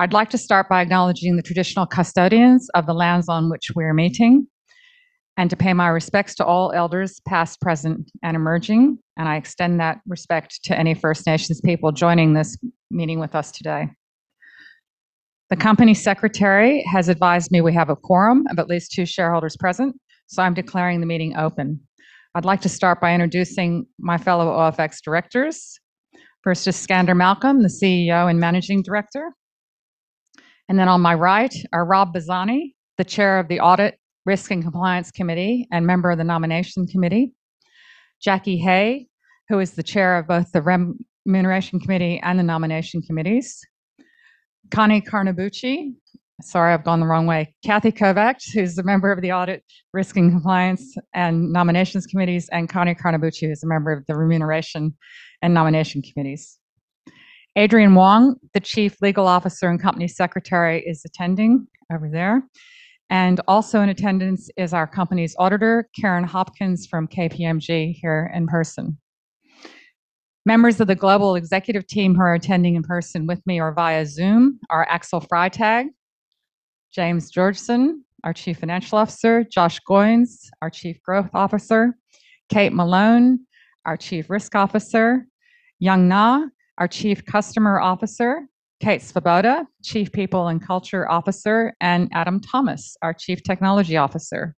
I'd like to start by acknowledging the traditional custodians of the lands on which we're meeting, to pay my respects to all elders, past, present, and emerging. I extend that respect to any First Nations people joining this meeting with us today. The company secretary has advised me we have a quorum of at least two shareholders present, I'm declaring the meeting open. I'd like to start by introducing my fellow OFX directors. First is Skander Malcolm, the CEO and Managing Director. Then on my right are Rob Bazzani, the Chair of the Audit, Risk, and Compliance Committee, and member of the Nomination Committee. Jackie Hey, who is the chair of both the Remuneration Committee and the Nomination Committees. Connie Carnabuci. Sorry, I've gone the wrong way. Cathy Kovacs, who's a member of the Audit, Risk, and Compliance and Nominations Committees, Connie Carnabuci, who's a member of the Remuneration and Nomination Committees. Adrian Wong, the Chief Legal Officer and Company Secretary is attending over there. Also in attendance is our company's auditor, Karen Hopkins from KPMG, here in person. Members of the global executive team who are attending in person with me or via Zoom are Axel Freytag; James Georgeson, our Chief Financial Officer; Josh Goines, our Chief Growth Officer; Kate Malone, our Chief Risk Officer; Yung Ngo, our Chief Customer Officer; Kate Svoboda, Chief People and Culture Officer; Adam Thomas, our Chief Technology Officer.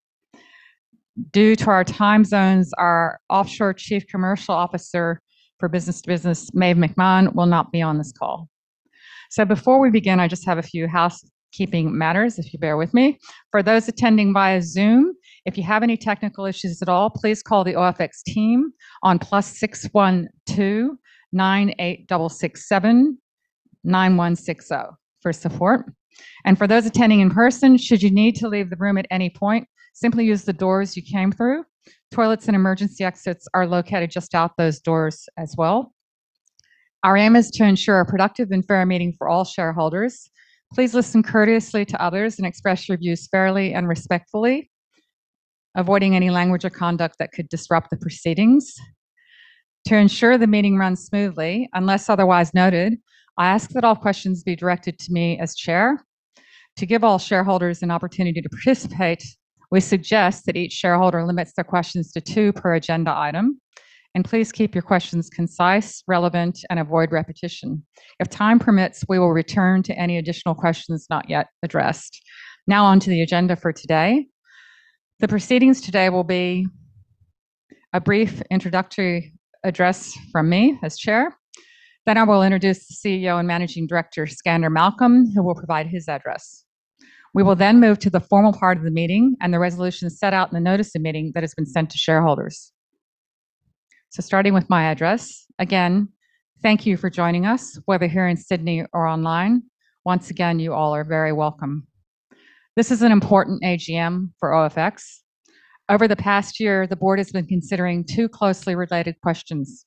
Due to our time zones, our offshore Chief Commercial Officer for business to business, Maeve McMahon, will not be on this call. Before we begin, I just have a few housekeeping matters, if you bear with me. For those attending via Zoom, if you have any technical issues at all, please call the OFX team on +612 9866 79160 for support. For those attending in person, should you need to leave the room at any point, simply use the doors you came through. Toilets and emergency exits are located just out those doors as well. Our aim is to ensure a productive and fair meeting for all shareholders. Please listen courteously to others and express your views fairly and respectfully, avoiding any language or conduct that could disrupt the proceedings. To ensure the meeting runs smoothly, unless otherwise noted, I ask that all questions be directed to me as chair. To give all shareholders an opportunity to participate, we suggest that each shareholder limits their questions to two per agenda item. Please keep your questions concise, relevant, and avoid repetition. If time permits, we will return to any additional questions not yet addressed. On to the agenda for today. The proceedings today will be a brief introductory address from me as chair. I will introduce the CEO and Managing Director, Skander Malcolm, who will provide his address. We will move to the formal part of the meeting and the resolutions set out in the notice of the meeting that has been sent to shareholders. Starting with my address. Again, thank you for joining us, whether here in Sydney or online. Once again, you all are very welcome. This is an important AGM for OFX. Over the past year, the board has been considering two closely related questions.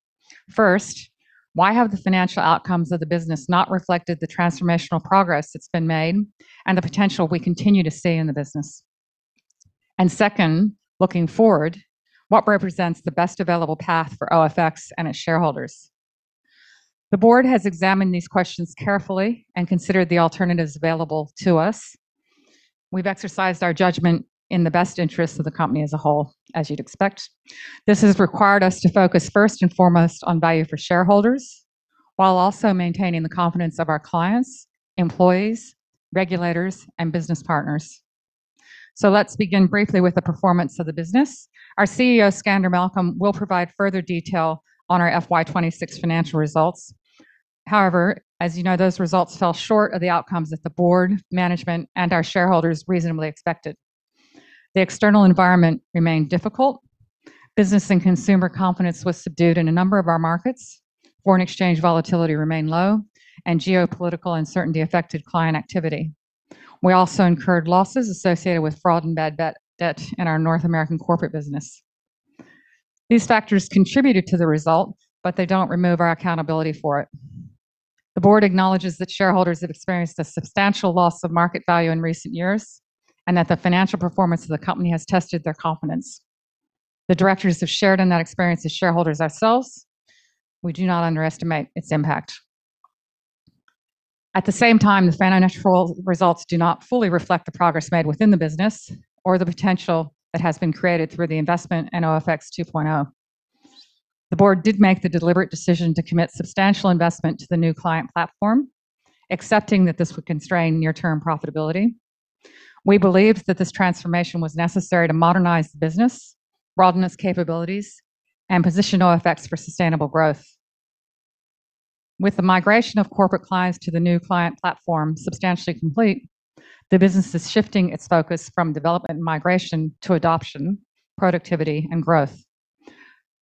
First, why have the financial outcomes of the business not reflected the transformational progress that's been made and the potential we continue to see in the business? Second, looking forward, what represents the best available path for OFX and its shareholders? The board has examined these questions carefully and considered the alternatives available to us. We've exercised our judgment in the best interest of the company as a whole, as you'd expect. This has required us to focus first and foremost on value for shareholders while also maintaining the confidence of our clients, employees, regulators, and business partners. Let's begin briefly with the performance of the business. Our CEO, Skander Malcolm, will provide further detail on our FY 2026 financial results. However, as you know, those results fell short of the outcomes that the board, management, and our shareholders reasonably expected. The external environment remained difficult. Business and consumer confidence was subdued in a number of our markets. Foreign exchange volatility remained low, and geopolitical uncertainty affected client activity. We also incurred losses associated with fraud and bad debt in our North American corporate business. These factors contributed to the result, but they don't remove our accountability for it. The board acknowledges that shareholders have experienced a substantial loss of market value in recent years, and that the financial performance of the company has tested their confidence. The directors have shared in that experience as shareholders ourselves. We do not underestimate its impact. At the same time, the financial results do not fully reflect the progress made within the business or the potential that has been created through the investment in OFX 2.0. The board did make the deliberate decision to commit substantial investment to the New Client Platform, accepting that this would constrain near-term profitability. We believed that this transformation was necessary to modernize the business, broaden its capabilities, and position OFX for sustainable growth. With the migration of corporate clients to the New Client Platform substantially complete, the business is shifting its focus from development and migration to adoption, productivity, and growth.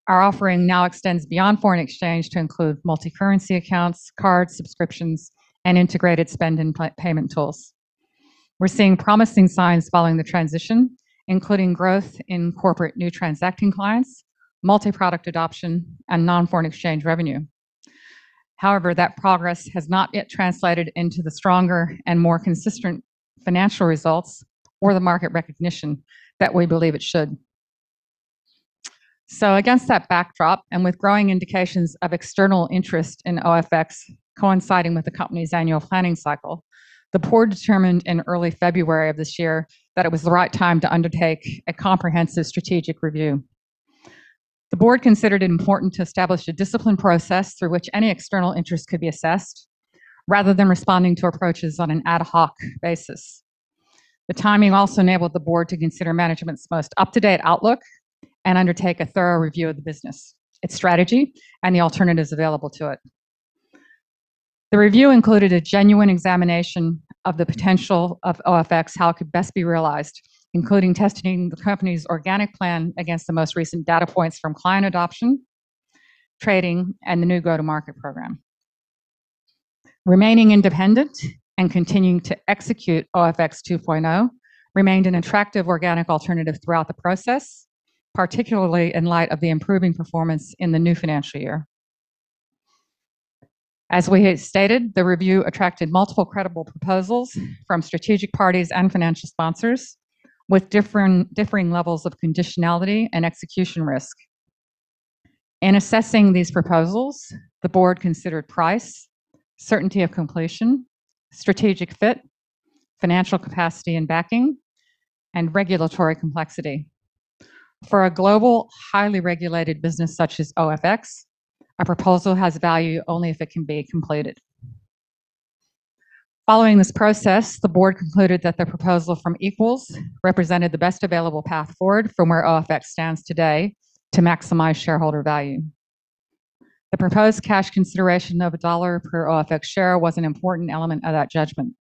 Our offering now extends beyond foreign exchange to include multicurrency accounts, cards, subscriptions, and integrated spend and payment tools. We're seeing promising signs following the transition, including growth in corporate New Transacting Clients, multiproduct adoption, and non-foreign exchange revenue. However, that progress has not yet translated into the stronger and more consistent financial results or the market recognition that we believe it should. Against that backdrop, and with growing indications of external interest in OFX coinciding with the company's annual planning cycle, the board determined in early February of this year that it was the right time to undertake a comprehensive strategic review. The board considered it important to establish a disciplined process through which any external interest could be assessed, rather than responding to approaches on an ad hoc basis. The timing also enabled the board to consider management's most up-to-date outlook and undertake a thorough review of the business, its strategy, and the alternatives available to it. The review included a genuine examination of the potential of OFX, how it could best be realized, including testing the company's organic plan against the most recent data points from client adoption, trading, and the new go-to-market program. Remaining independent and continuing to execute OFX 2.0 remained an attractive organic alternative throughout the process, particularly in light of the improving performance in the new financial year. As we had stated, the review attracted multiple credible proposals from strategic parties and financial sponsors, with differing levels of conditionality and execution risk. In assessing these proposals, the board considered price, certainty of completion, strategic fit, financial capacity and backing, and regulatory complexity. For a global, highly regulated business such as OFX, a proposal has value only if it can be completed. Following this process, the board concluded that the proposal from Equals represented the best available path forward from where OFX stands today to maximize shareholder value. The proposed cash consideration of AUD 1.00 per OFX share was an important element of that judgment.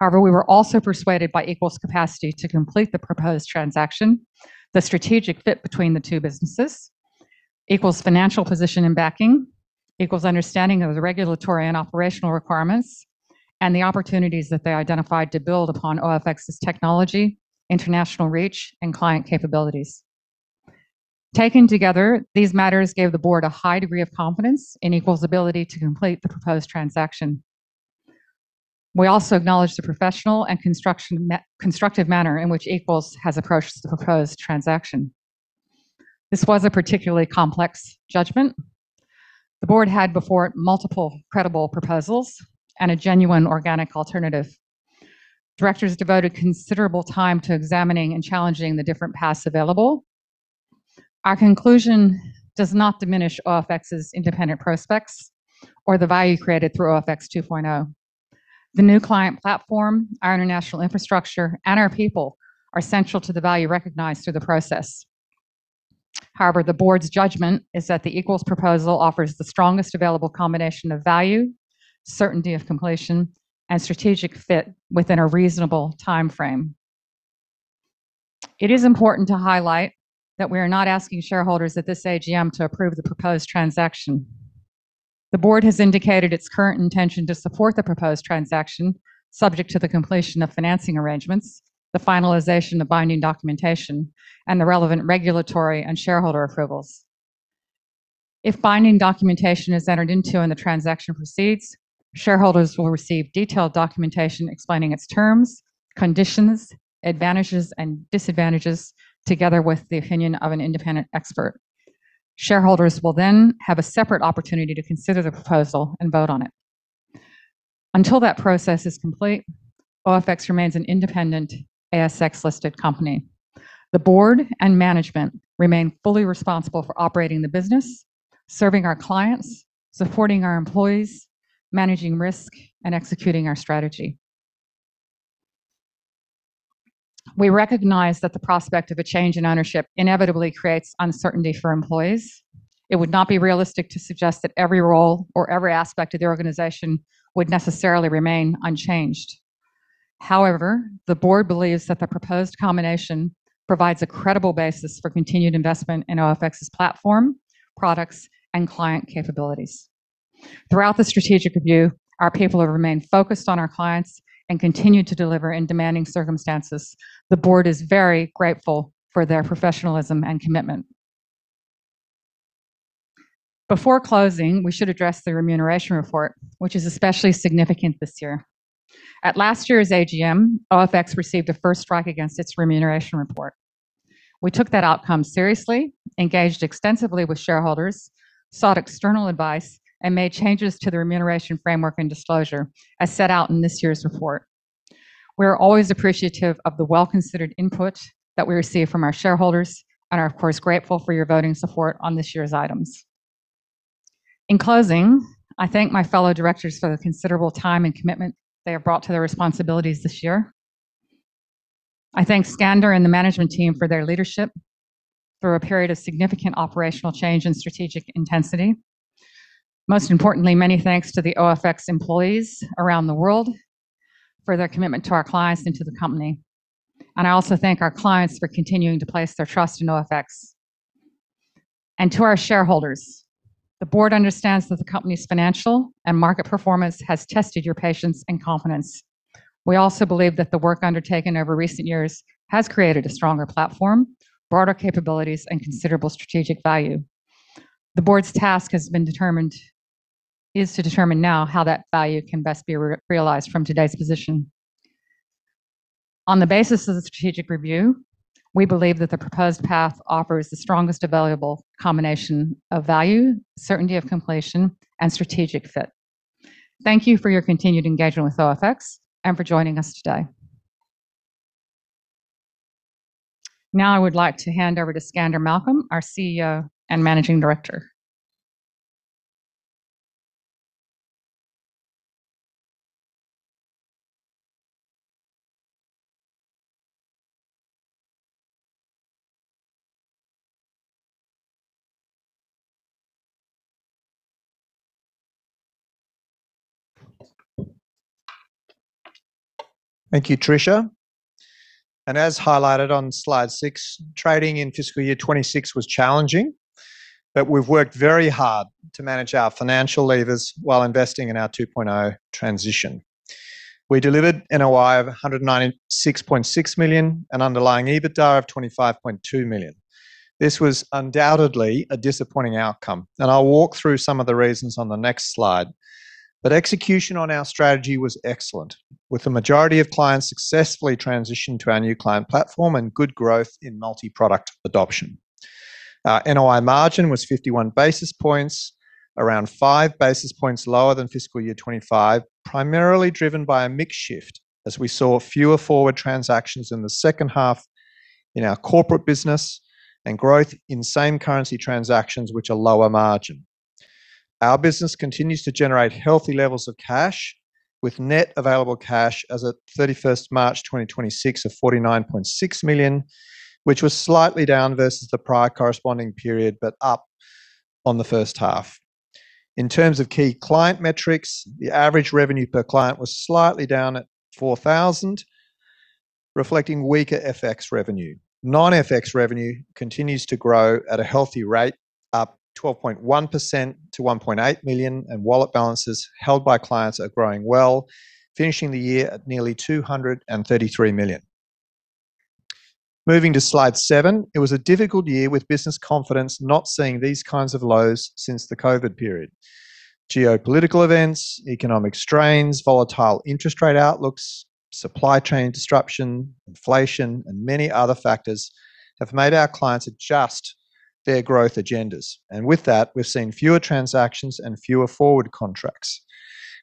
However, we were also persuaded by Equals' capacity to complete the proposed transaction, the strategic fit between the two businesses, Equals' financial position and backing, Equals' understanding of the regulatory and operational requirements, and the opportunities that they identified to build upon OFX's technology, international reach, and client capabilities. Taken together, these matters gave the board a high degree of confidence in Equals' ability to complete the proposed transaction. We also acknowledge the professional and constructive manner in which Equals has approached the proposed transaction. This was a particularly complex judgment. The board had before it multiple credible proposals and a genuine organic alternative. Directors devoted considerable time to examining and challenging the different paths available. Our conclusion does not diminish OFX's independent prospects or the value created through OFX 2.0. The New Client Platform, our international infrastructure, and our people are central to the value recognized through the process. However, the board's judgment is that the Equals proposal offers the strongest available combination of value, certainty of completion, and strategic fit within a reasonable timeframe. It is important to highlight that we are not asking shareholders at this AGM to approve the proposed transaction. The board has indicated its current intention to support the proposed transaction subject to the completion of financing arrangements, the finalization of binding documentation, and the relevant regulatory and shareholder approvals. If binding documentation is entered into and the transaction proceeds, shareholders will receive detailed documentation explaining its terms, conditions, advantages, and disadvantages together with the opinion of an independent expert. Shareholders will then have a separate opportunity to consider the proposal and vote on it. Until that process is complete, OFX remains an independent ASX-listed company. The board and management remain fully responsible for operating the business, serving our clients, supporting our employees, managing risk, and executing our strategy. We recognize that the prospect of a change in ownership inevitably creates uncertainty for employees. It would not be realistic to suggest that every role or every aspect of the organization would necessarily remain unchanged. However, the board believes that the proposed combination provides a credible basis for continued investment in OFX's platform, products, and client capabilities. Throughout the strategic review, our people have remained focused on our clients and continued to deliver in demanding circumstances. The board is very grateful for their professionalism and commitment. Before closing, we should address the remuneration report, which is especially significant this year. At last year's AGM, OFX received a first strike against its remuneration report. We took that outcome seriously, engaged extensively with shareholders, sought external advice, and made changes to the remuneration framework and disclosure as set out in this year's report. We are always appreciative of the well-considered input that we receive from our shareholders and are, of course, grateful for your voting support on this year's items. In closing, I thank my fellow directors for the considerable time and commitment they have brought to their responsibilities this year. I thank Skander and the management team for their leadership through a period of significant operational change and strategic intensity. Most importantly, many thanks to the OFX employees around the world for their commitment to our clients and to the company. I also thank our clients for continuing to place their trust in OFX. To our shareholders, the board understands that the company's financial and market performance has tested your patience and confidence. We also believe that the work undertaken over recent years has created a stronger platform, broader capabilities, and considerable strategic value. The board's task is to determine now how that value can best be realized from today's position. On the basis of the strategic review, we believe that the proposed path offers the strongest available combination of value, certainty of completion, and strategic fit. Thank you for your continued engagement with OFX and for joining us today. Now I would like to hand over to Skander Malcolm, our CEO and Managing Director. Thank you, Tricia. As highlighted on slide six, trading in fiscal year 2026 was challenging, but we've worked very hard to manage our financial levers while investing in our 2.0 transition. We delivered NOI of 196.6 million and underlying EBITDA of 25.2 million. This was undoubtedly a disappointing outcome, I'll walk through some of the reasons on the next slide. Execution on our strategy was excellent, with the majority of clients successfully transitioned to our New Client Platform and good growth in multi-product adoption. Our NOI margin was 51 basis points, around five basis points lower than fiscal year 2025, primarily driven by a mix shift as we saw fewer forward transactions in the second half in our corporate business and growth in same currency transactions, which are lower margin. Our business continues to generate healthy levels of cash with net available cash as at 31st March 2026 of 49.6 million, which was slightly down versus the prior corresponding period, but up on the first half. In terms of key client metrics, the average revenue per client was slightly down at 4,000, reflecting weaker FX revenue. Non-FX revenue continues to grow at a healthy rate, up 12.1% to 1.8 million, and wallet balances held by clients are growing well, finishing the year at nearly 233 million. Moving to slide seven. It was a difficult year with business confidence not seeing these kinds of lows since the COVID period. Geopolitical events, economic strains, volatile interest rate outlooks, supply chain disruption, inflation, and many other factors have made our clients adjust their growth agendas. With that, we've seen fewer transactions and fewer forward contracts.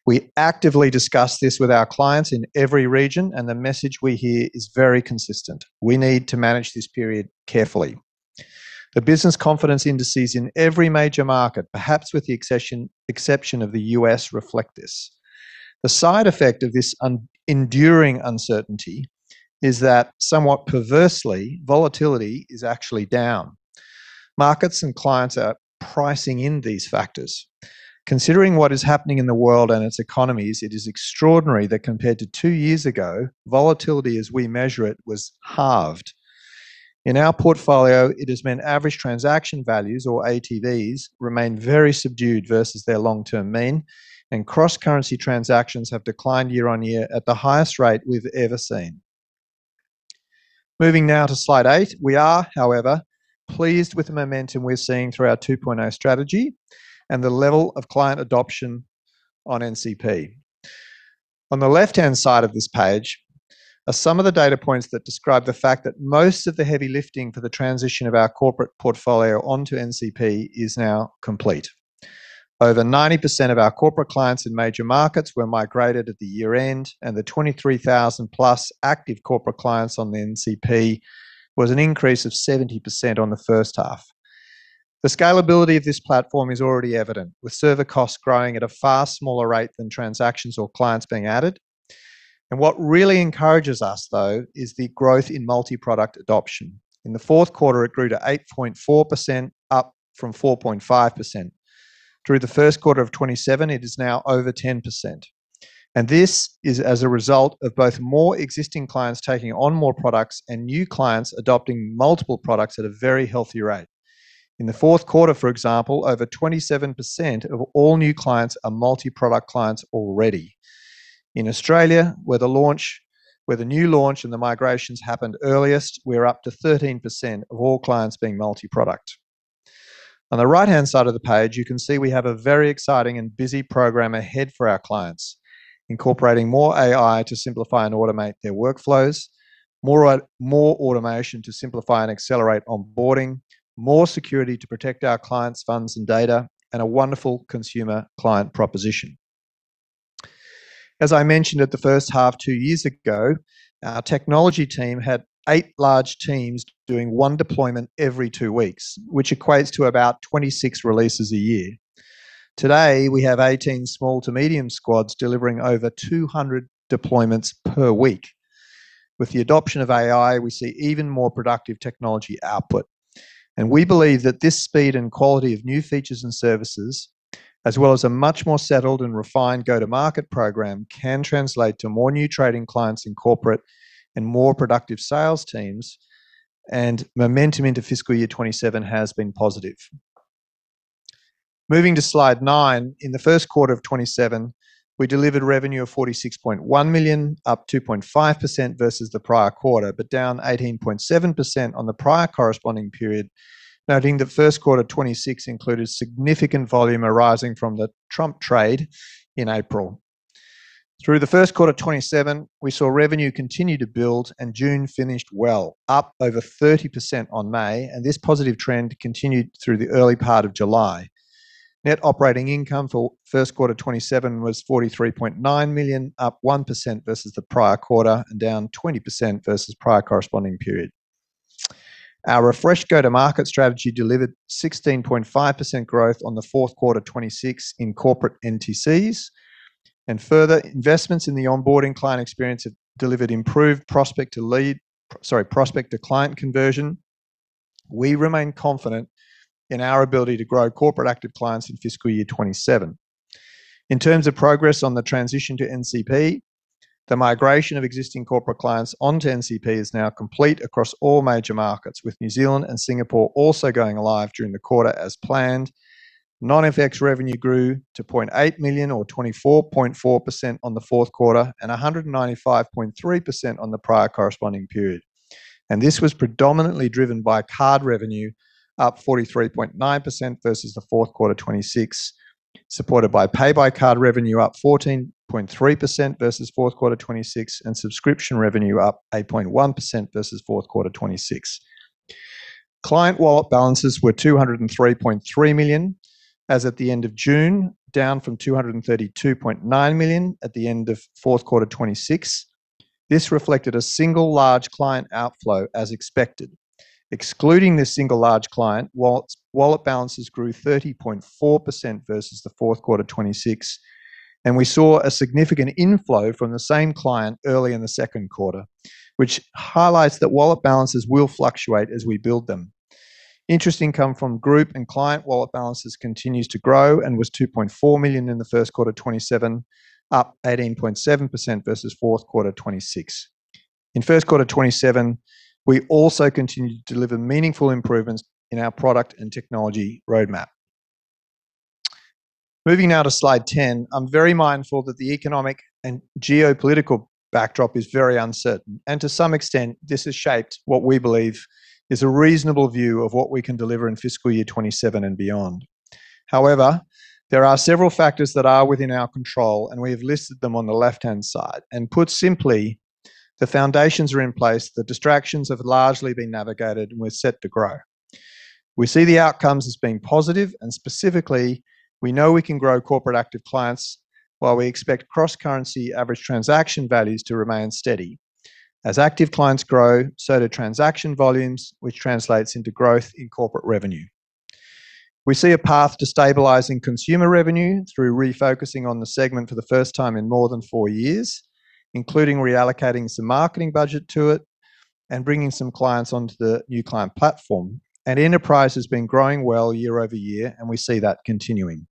We actively discuss this with our clients in every region, and the message we hear is very consistent. We need to manage this period carefully. The business confidence indices in every major market, perhaps with the exception of the U.S., reflect this. The side effect of this enduring uncertainty is that somewhat perversely, volatility is actually down. Markets and clients are pricing in these factors. Considering what is happening in the world and its economies, it is extraordinary that compared to two years ago, volatility as we measure it was halved. In our portfolio, it has meant average transaction values or ATVs remain very subdued versus their long-term mean, and cross-currency transactions have declined year-over-year at the highest rate we've ever seen. Moving now to slide eight. We are, however, pleased with the momentum we're seeing through our 2.0 strategy and the level of client adoption on NCP. On the left-hand side of this page are some of the data points that describe the fact that most of the heavy lifting for the transition of our corporate portfolio onto NCP is now complete. Over 90% of our corporate clients in major markets were migrated at the year-end, and the 23,000-plus active corporate clients on the NCP was an increase of 70% on the first half. The scalability of this platform is already evident, with server costs growing at a far smaller rate than transactions or clients being added. What really encourages us, though, is the growth in multi-product adoption. In the fourth quarter, it grew to 8.4%, up from 4.5%. Through the first quarter of 2027, it is now over 10%. This is as a result of both more existing clients taking on more products and new clients adopting multiple products at a very healthy rate. In the fourth quarter, for example, over 27% of all new clients are multi-product clients already. In Australia, where the new launch and the migrations happened earliest, we are up to 13% of all clients being multi-product. On the right-hand side of the page, you can see we have a very exciting and busy program ahead for our clients, incorporating more AI to simplify and automate their workflows, more automation to simplify and accelerate onboarding, more security to protect our clients' funds and data, and a wonderful consumer client proposition. As I mentioned at the first half two years ago, our technology team had eight large teams doing one deployment every two weeks, which equates to about 26 releases a year. Today, we have 18 small to medium squads delivering over 200 deployments per week. With the adoption of AI, we see even more productive technology output. We believe that this speed and quality of new features and services, as well as a much more settled and refined go-to-market program, can translate to more new trading clients in corporate and more productive sales teams, and momentum into fiscal year 2027 has been positive. Moving to slide nine. In the first quarter of 2027, we delivered revenue of 46.1 million, up 2.5% versus the prior quarter, but down 18.7% on the prior corresponding period, noting that first quarter 2026 included significant volume arising from the Trump trade in April. Through the first quarter 2027, we saw revenue continue to build and June finished well, up over 30% on May, and this positive trend continued through the early part of July. Net operating income for first quarter 2027 was 43.9 million, up 1% versus the prior quarter and down 20% versus prior corresponding period. Our refreshed go-to-market strategy delivered 16.5% growth on the fourth quarter 2026 in corporate NTCs. Further investments in the onboarding client experience have delivered improved prospect to client conversion. We remain confident in our ability to grow corporate active clients in fiscal year 2027. In terms of progress on the transition to NCP, the migration of existing corporate clients onto NCP is now complete across all major markets, with New Zealand and Singapore also going live during the quarter as planned. Non-FX revenue grew to 0.8 million or 24.4% on the fourth quarter and 195.3% on the prior corresponding period. This was predominantly driven by card revenue up 43.9% versus the fourth quarter 2026, supported by pay by card revenue up 14.3% versus fourth quarter 2026, and subscription revenue up 8.1% versus fourth quarter 2026. Client wallet balances were 203.3 million as at the end of June, down from 232.9 million at the end of fourth quarter 2026. This reflected a single large client outflow as expected. Excluding this single large client, wallet balances grew 30.4% versus the fourth quarter 2026, and we saw a significant inflow from the same client early in the second quarter, which highlights that wallet balances will fluctuate as we build them. Interest income from group and client wallet balances continues to grow and was 2.4 million in the first quarter 2027, up 18.7% versus fourth quarter 2026. In first quarter 2027, we also continued to deliver meaningful improvements in our product and technology roadmap. Moving now to slide 10, I'm very mindful that the economic and geopolitical backdrop is very uncertain, and to some extent, this has shaped what we believe is a reasonable view of what we can deliver in fiscal year 2027 and beyond. However, there are several factors that are within our control, and we have listed them on the left-hand side. Put simply, the foundations are in place, the distractions have largely been navigated, we're set to grow. We see the outcomes as being positive, specifically, we know we can grow corporate active clients, while we expect cross-currency average transaction values to remain steady. As active clients grow, so do transaction volumes, which translates into growth in corporate revenue. We see a path to stabilizing consumer revenue through refocusing on the segment for the first time in more than four years, including reallocating some marketing budget to it and bringing some clients onto the New Client Platform. Enterprise has been growing well year-over-year, we see that continuing.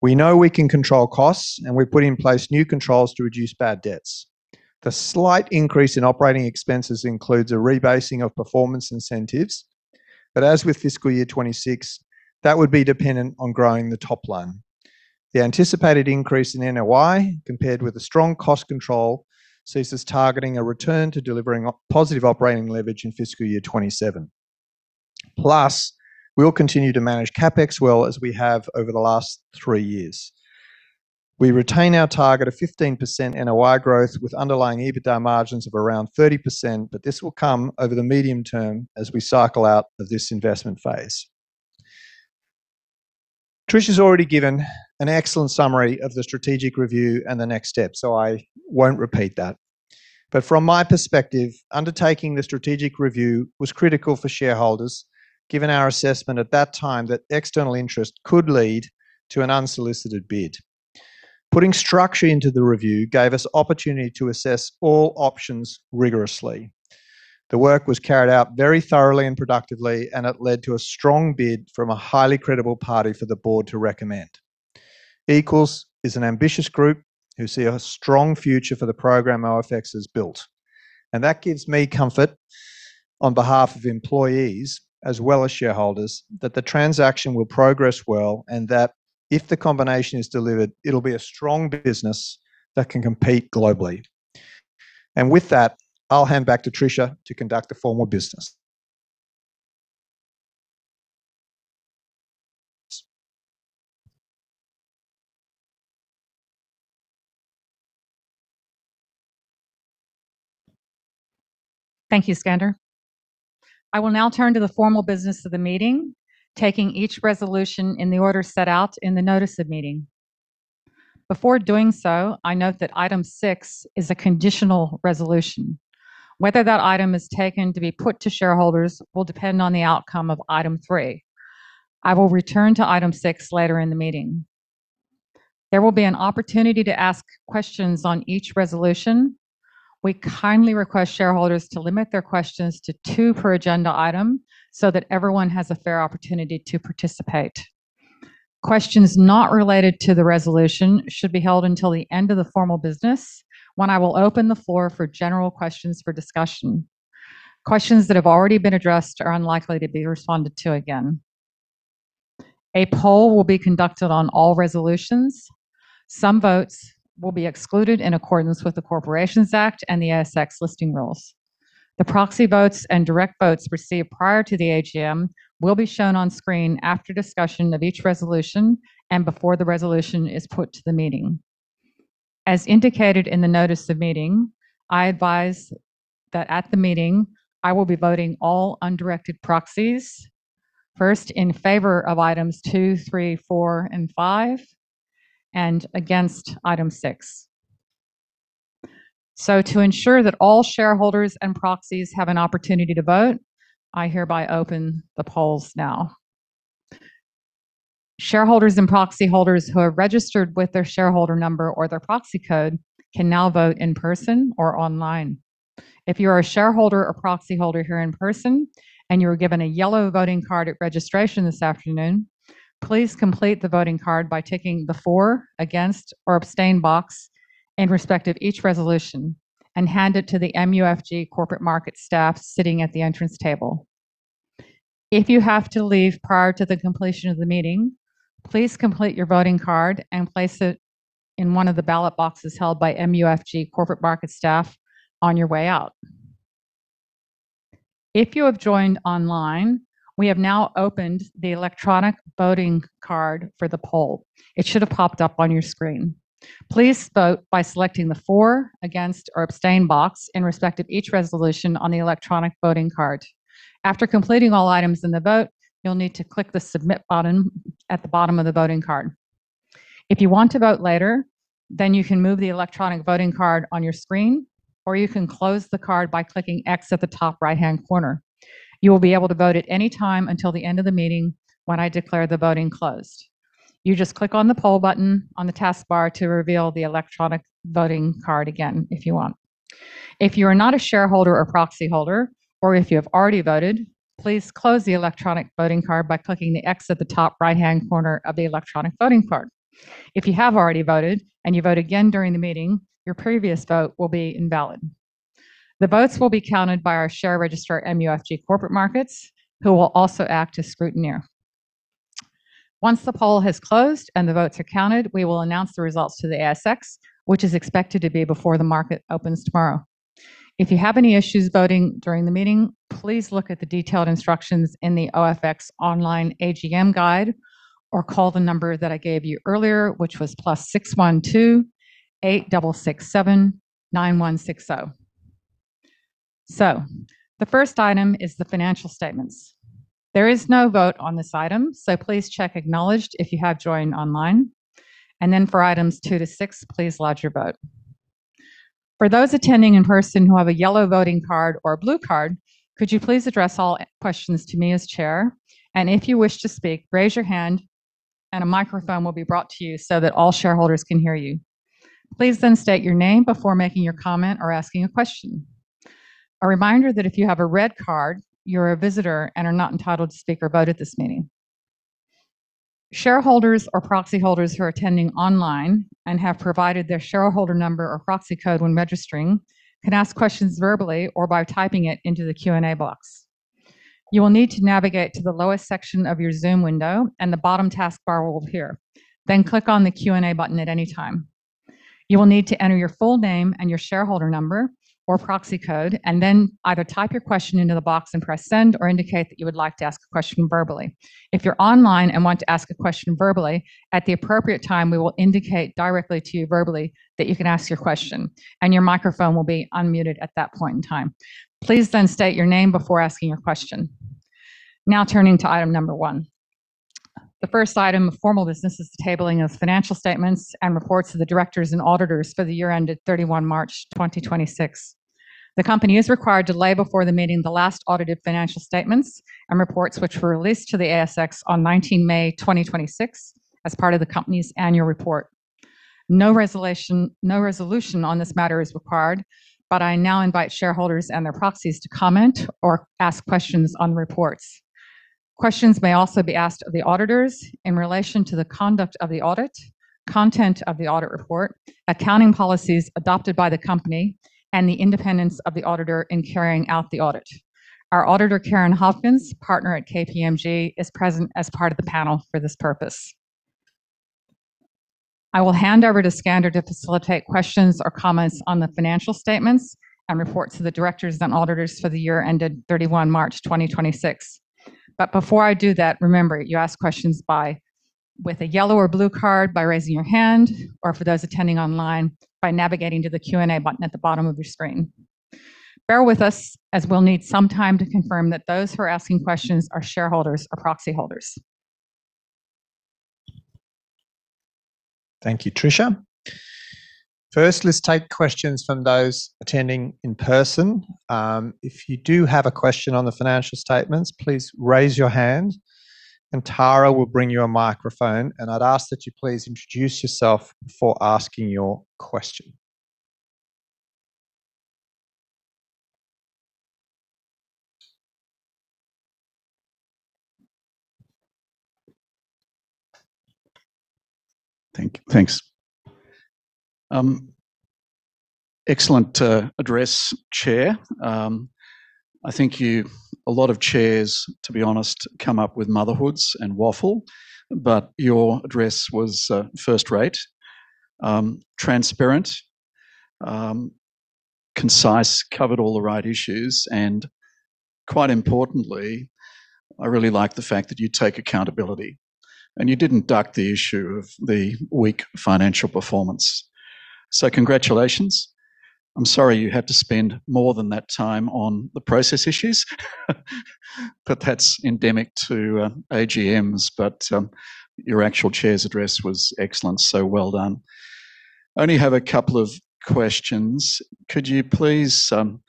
We know we can control costs, and we've put in place new controls to reduce bad debts. The slight increase in operating expenses includes a rebasing of performance incentives, as with fiscal year 2026, that would be dependent on growing the top line. The anticipated increase in NOI, compared with the strong cost control, sees us targeting a return to delivering positive operating leverage in fiscal year 2027. We'll continue to manage CapEx well as we have over the last three years. We retain our target of 15% NOI growth with underlying EBITDA margins of around 30%, this will come over the medium term as we cycle out of this investment phase. Trish has already given an excellent summary of the strategic review and the next steps, I won't repeat that. From my perspective, undertaking the strategic review was critical for shareholders, given our assessment at that time that external interest could lead to an unsolicited bid. Putting structure into the review gave us opportunity to assess all options rigorously. The work was carried out very thoroughly and productively, it led to a strong bid from a highly credible party for the board to recommend. Equals is an ambitious group who see a strong future for the program OFX has built. That gives me comfort on behalf of employees as well as shareholders that the transaction will progress well and that if the combination is delivered, it'll be a strong business that can compete globally. With that, I'll hand back to Tricia to conduct the formal business. Thank you, Skander. I will now turn to the formal business of the meeting, taking each resolution in the order set out in the notice of meeting. Before doing so, I note that item six is a conditional resolution. Whether that item is taken to be put to shareholders will depend on the outcome of item three. I will return to item six later in the meeting. There will be an opportunity to ask questions on each resolution. We kindly request shareholders to limit their questions to two per agenda item so that everyone has a fair opportunity to participate. Questions not related to the resolution should be held until the end of the formal business, when I will open the floor for general questions for discussion. Questions that have already been addressed are unlikely to be responded to again. A poll will be conducted on all resolutions. Some votes will be excluded in accordance with the Corporations Act and the ASX Listing Rules. The proxy votes and direct votes received prior to the AGM will be shown on screen after discussion of each resolution and before the resolution is put to the meeting. As indicated in the notice of meeting, I advise that at the meeting I will be voting all undirected proxies, first in favor of items two, three, four, and five, and against item six. To ensure that all shareholders and proxies have an opportunity to vote, I hereby open the polls now. Shareholders and proxy holders who are registered with their shareholder number or their proxy code can now vote in person or online. If you're a shareholder or proxy holder here in person and you were given a yellow voting card at registration this afternoon, please complete the voting card by ticking the for, against, or abstain box in respect of each resolution and hand it to the MUFG Corporate Markets staff sitting at the entrance table. If you have to leave prior to the completion of the meeting, please complete your voting card and place it in one of the ballot boxes held by MUFG Corporate Markets staff on your way out. If you have joined online, we have now opened the electronic voting card for the poll. It should have popped up on your screen. Please vote by selecting the for, against, or abstain box in respect of each resolution on the electronic voting card. After completing all items in the vote, you'll need to click the submit button at the bottom of the voting card. If you want to vote later, you can move the electronic voting card on your screen, or you can close the card by clicking X at the top right-hand corner. You will be able to vote at any time until the end of the meeting when I declare the voting closed. You just click on the poll button on the task bar to reveal the electronic voting card again, if you want. If you are not a shareholder or proxy holder, if you have already voted, please close the electronic voting card by clicking the X at the top right-hand corner of the electronic voting card. If you have already voted and you vote again during the meeting, your previous vote will be invalid. The votes will be counted by our share registrar, MUFG Corporate Markets, who will also act as scrutineer. Once the poll has closed and the votes are counted, we will announce the results to the ASX, which is expected to be before the market opens tomorrow. If you have any issues voting during the meeting, please look at the detailed instructions in the OFX online AGM guide or call the number that I gave you earlier, which was +612 8667 9160. The first item is the financial statements. There is no vote on this item, please check acknowledged if you have joined online. For items two to six, please lodge your vote. For those attending in person who have a yellow voting card or a blue card, could you please address all questions to me as chair, if you wish to speak, raise your hand and a microphone will be brought to you so that all shareholders can hear you. Please state your name before making your comment or asking a question. A reminder that if you have a red card, you're a visitor and are not entitled to speak or vote at this meeting. Shareholders or proxy holders who are attending online and have provided their shareholder number or proxy code when registering can ask questions verbally or by typing it into the Q&A box. You will need to navigate to the lowest section of your Zoom window and the bottom task bar will appear. Click on the Q&A button at any time. You will need to enter your full name and your shareholder number or proxy code, and then either type your question into the box and press send, or indicate that you would like to ask a question verbally. If you're online and want to ask a question verbally, at the appropriate time, we will indicate directly to you verbally that you can ask your question, and your microphone will be unmuted at that point in time. Please state your name before asking your question. Turning to item number one. The first item of formal business is the tabling of financial statements and reports of the directors and auditors for the year ended 31 March 2026. The company is required to lay before the meeting the last audited financial statements and reports which were released to the ASX on 19 May 2026 as part of the company's annual report. No resolution on this matter is required. I now invite shareholders and their proxies to comment or ask questions on reports. Questions may also be asked of the auditors in relation to the conduct of the audit, content of the audit report, accounting policies adopted by the company, and the independence of the auditor in carrying out the audit. Our auditor, Karen Hopkins, partner at KPMG, is present as part of the panel for this purpose. I will hand over to Skander to facilitate questions or comments on the financial statements and reports of the directors and auditors for the year ended 31 March 2026. Before I do that, remember, you ask questions with a yellow or blue card, by raising your hand, or for those attending online, by navigating to the Q&A button at the bottom of your screen. Bear with us, as we'll need some time to confirm that those who are asking questions are shareholders or proxy holders. Thank you, Tricia. First, let's take questions from those attending in person. If you do have a question on the financial statements, please raise your hand and Tara will bring you a microphone. I'd ask that you please introduce yourself before asking your question. Thank you. Thanks. Excellent address, Chair. I think a lot of chairs, to be honest, come up with motherhoods and waffle, your address was first-rate, transparent, concise, covered all the right issues, and quite importantly, I really like the fact that you take accountability, and you didn't duck the issue of the weak financial performance. Congratulations. I'm sorry you had to spend more than that time on the process issues, but that's endemic to AGMs. Your actual chair's address was excellent, so well done. I only have a couple of questions. I'm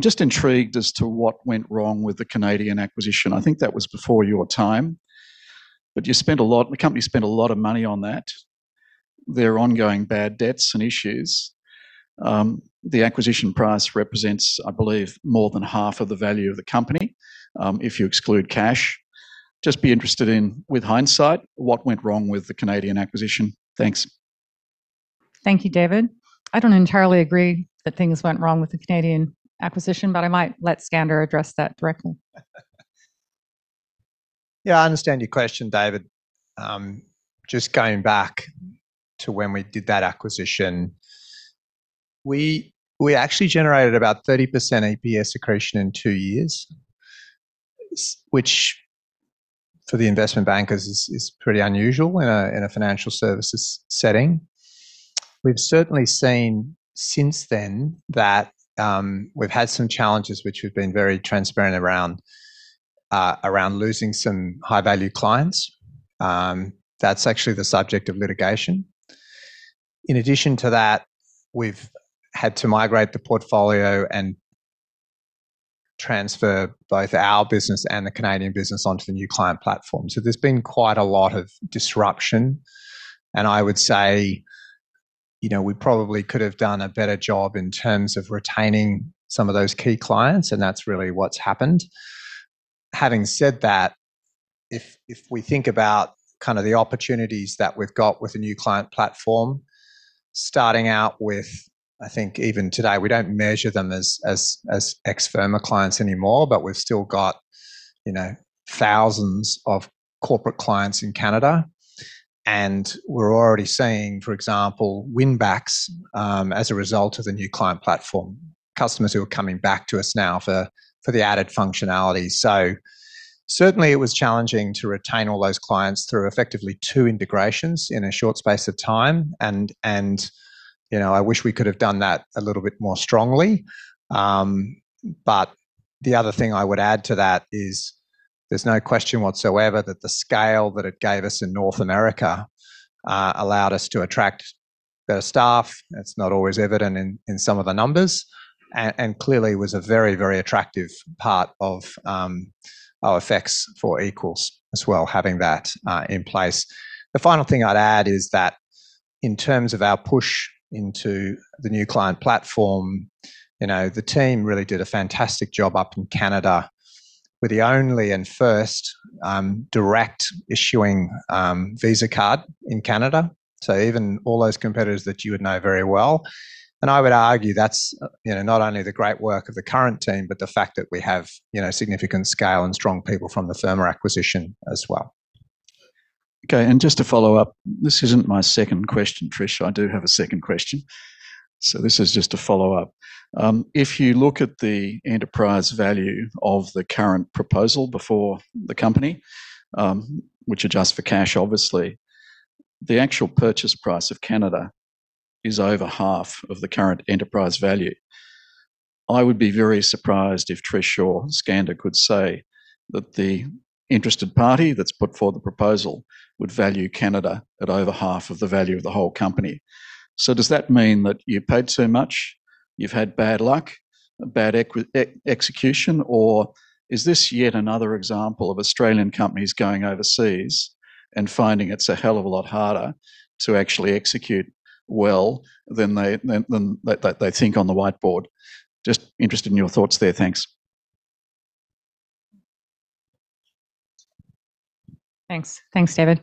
just intrigued as to what went wrong with the Canadian acquisition. I think that was before your time. The company spent a lot of money on that. There are ongoing bad debts and issues. The acquisition price represents, I believe, more than half of the value of the company, if you exclude cash. I'd just be interested in, with hindsight, what went wrong with the Canadian acquisition. Thanks. Thank you, David. I don't entirely agree that things went wrong with the Canadian acquisition, I might let Skander address that directly. Yeah, I understand your question, David. Just going back to when we did that acquisition, we actually generated about 30% EPS accretion in two years, which for the investment bankers is pretty unusual in a financial services setting. We've certainly seen since then that we've had some challenges which we've been very transparent around losing some high-value clients. That's actually the subject of litigation. In addition to that, we've had to migrate the portfolio and transfer both our business and the Canadian business onto the New Client Platform. There's been quite a lot of disruption, I would say, we probably could have done a better job in terms of retaining some of those key clients, that's really what's happened. Having said that, if we think about kind of the opportunities that we've got with the New Client Platform, starting out with, I think even today, we don't measure them as ex-Firma clients anymore, but we've still got thousands of corporate clients in Canada. We're already seeing, for example, win-backs, as a result of the New Client Platform, customers who are coming back to us now for the added functionality. Certainly, it was challenging to retain all those clients through effectively two integrations in a short space of time, and I wish we could have done that a little bit more strongly. The other thing I would add to that is, there's no question whatsoever that the scale that it gave us in North America allowed us to attract better staff. That's not always evident in some of the numbers. Clearly was a very attractive part of our OFX for Equals as well, having that in place. The final thing I'd add is that in terms of our push into the New Client Platform, the team really did a fantastic job up in Canada. We're the only and first direct issuing Visa card in Canada. Even all those competitors that you would know very well. I would argue that's not only the great work of the current team, but the fact that we have significant scale and strong people from the Firma acquisition as well. Okay, just to follow up, this isn't my second question, Trish. I do have a second question. This is just a follow-up. If you look at the enterprise value of the current proposal before the company, which adjusts for cash, obviously, the actual purchase price of Canada is over half of the current enterprise value. I would be very surprised if Trish or Skander could say that the interested party that's put forward the proposal would value Canada at over half of the value of the whole company. Does that mean that you paid too much, you've had bad luck, bad execution, or is this yet another example of Australian companies going overseas and finding it's a hell of a lot harder to actually execute well than they think on the whiteboard? Just interested in your thoughts there. Thanks. Thanks. Thanks, David.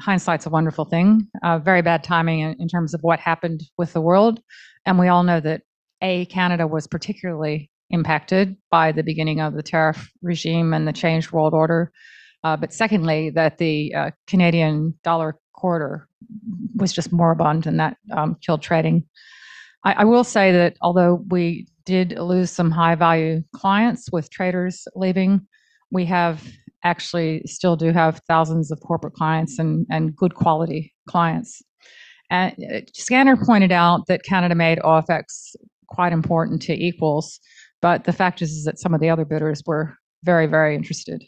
Hindsight's a wonderful thing. Very bad timing in terms of what happened with the world, and we all know that, A, Canada was particularly impacted by the beginning of the tariff regime and the changed world order. Secondly, that the Canadian dollar quarter was just more abundant and that killed trading. I will say that although we did lose some high-value clients with traders leaving, we have actually still do have thousands of corporate clients and good quality clients. Skander pointed out that Canada made OFX quite important to Equals, the fact is that some of the other bidders were very interested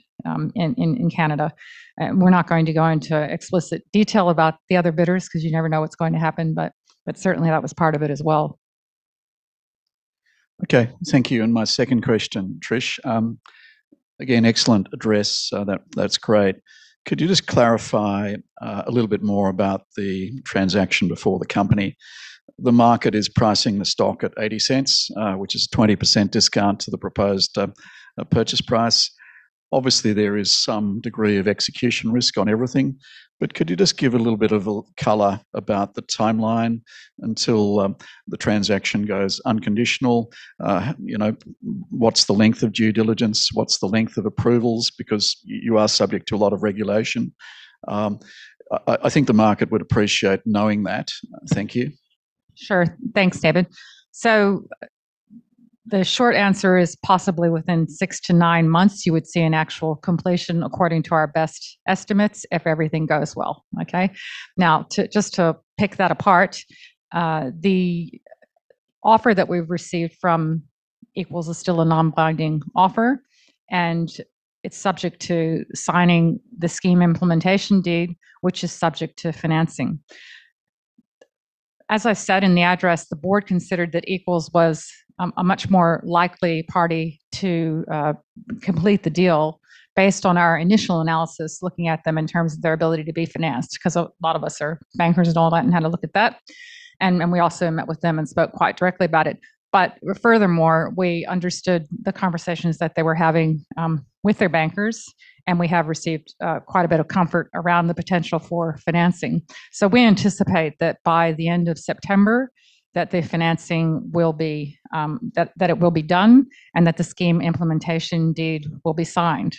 in Canada. We're not going to go into explicit detail about the other bidders because you never know what's going to happen, but certainly, that was part of it as well. Okay. Thank you. My second question, Trish. Again, excellent address. That's great. Could you just clarify a little bit more about the transaction before the company? The market is pricing the stock at 0.80, which is a 20% discount to the proposed purchase price. Obviously, there is some degree of execution risk on everything, Could you just give a little bit of color about the timeline until the transaction goes unconditional? What's the length of due diligence? What's the length of approvals? You are subject to a lot of regulation. I think the market would appreciate knowing that. Thank you. Sure. Thanks, David. The short answer is possibly within six to nine months, you would see an actual completion according to our best estimates, if everything goes well. Okay. Just to pick that apart, the offer that we've received from Equals is still a non-binding offer, and it's subject to signing the scheme implementation deed, which is subject to financing. As I said in the address, the board considered that Equals was a much more likely party to complete the deal based on our initial analysis, looking at them in terms of their ability to be financed. A lot of us are bankers and all that and had a look at that. We also met with them and spoke quite directly about it. Furthermore, we understood the conversations that they were having with their bankers, and we have received quite a bit of comfort around the potential for financing. We anticipate that by the end of September that the financing will be done and that the scheme implementation deed will be signed.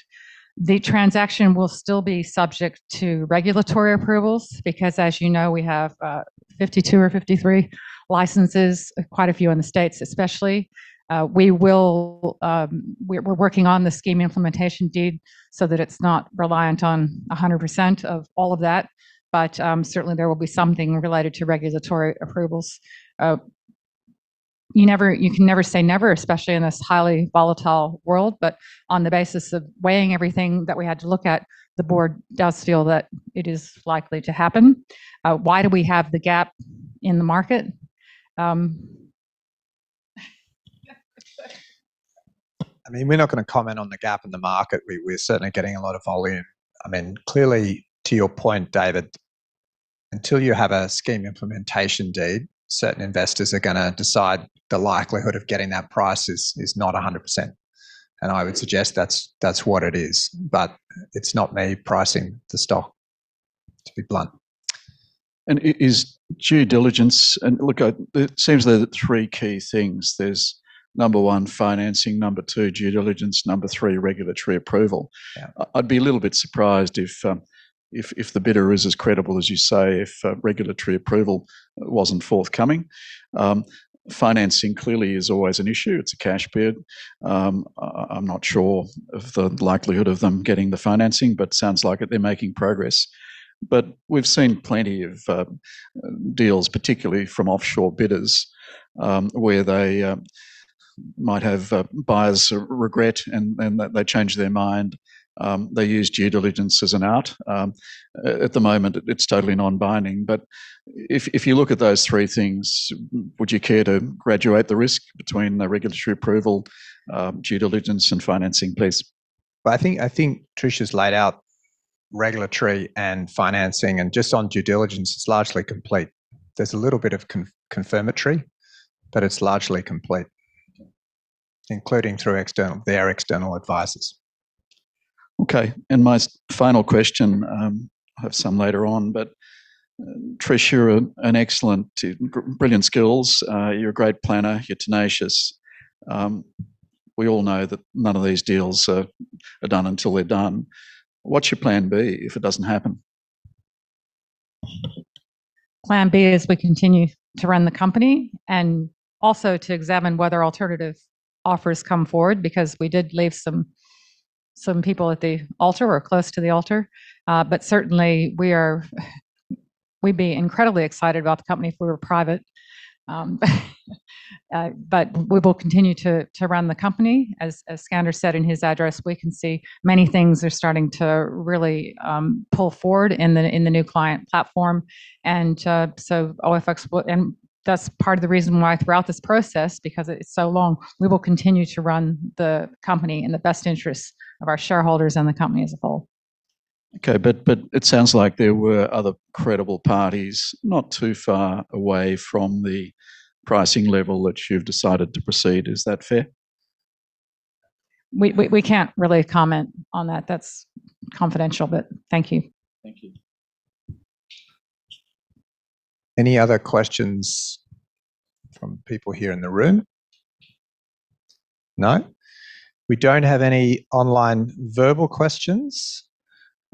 The transaction will still be subject to regulatory approvals. As you know, we have 52 or 53 licenses, quite a few in the U.S. especially. We're working on the scheme implementation deed so that it's not reliant on 100% of all of that. Certainly, there will be something related to regulatory approvals. You can never say never, especially in this highly volatile world, On the basis of weighing everything that we had to look at, the board does feel that it is likely to happen. Why do we have the gap in the market? We're not going to comment on the gap in the market. We're certainly getting a lot of volume. Clearly, to your point, David, until you have a scheme implementation deed, certain investors are going to decide the likelihood of getting that price is not 100%. I would suggest that's what it is. It's not me pricing the stock, to be blunt. Look, it seems there are three key things. There's, number one, financing. Number two, due diligence. Number three, regulatory approval. Yeah. I'd be a little bit surprised, if the bidder is as credible as you say, if regulatory approval wasn't forthcoming. Financing clearly is always an issue. It's a cash bid. I'm not sure of the likelihood of them getting the financing, sounds like they're making progress. We've seen plenty of deals, particularly from offshore bidders, where they might have buyer's regret and they change their mind. They use due diligence as an out. At the moment, it's totally non-binding. If you look at those three things, would you care to graduate the risk between the regulatory approval, due diligence, and financing, please? I think Trish has laid out regulatory and financing, just on due diligence, it's largely complete. There's a little bit of confirmatory, it's largely complete, including through their external advisors. Okay. My final question, I have some later on, Trish, you're excellent, brilliant skills. You're a great planner. You're tenacious. We all know that none of these deals are done until they're done. What's your plan B if it doesn't happen? Plan B, we continue to run the company and also to examine whether alternative offers come forward because we did leave some people at the altar or close to the altar. Certainly, we'd be incredibly excited about the company if we were private. We will continue to run the company. As Skander said in his address, we can see many things are starting to really pull forward in the New Client Platform. That's part of the reason why throughout this process, because it's so long, we will continue to run the company in the best interest of our shareholders and the company as a whole. Okay. It sounds like there were other credible parties not too far away from the pricing level that you've decided to proceed. Is that fair? We can't really comment on that. That's confidential, but thank you. Thank you. Any other questions from people here in the room? No. We don't have any online verbal questions.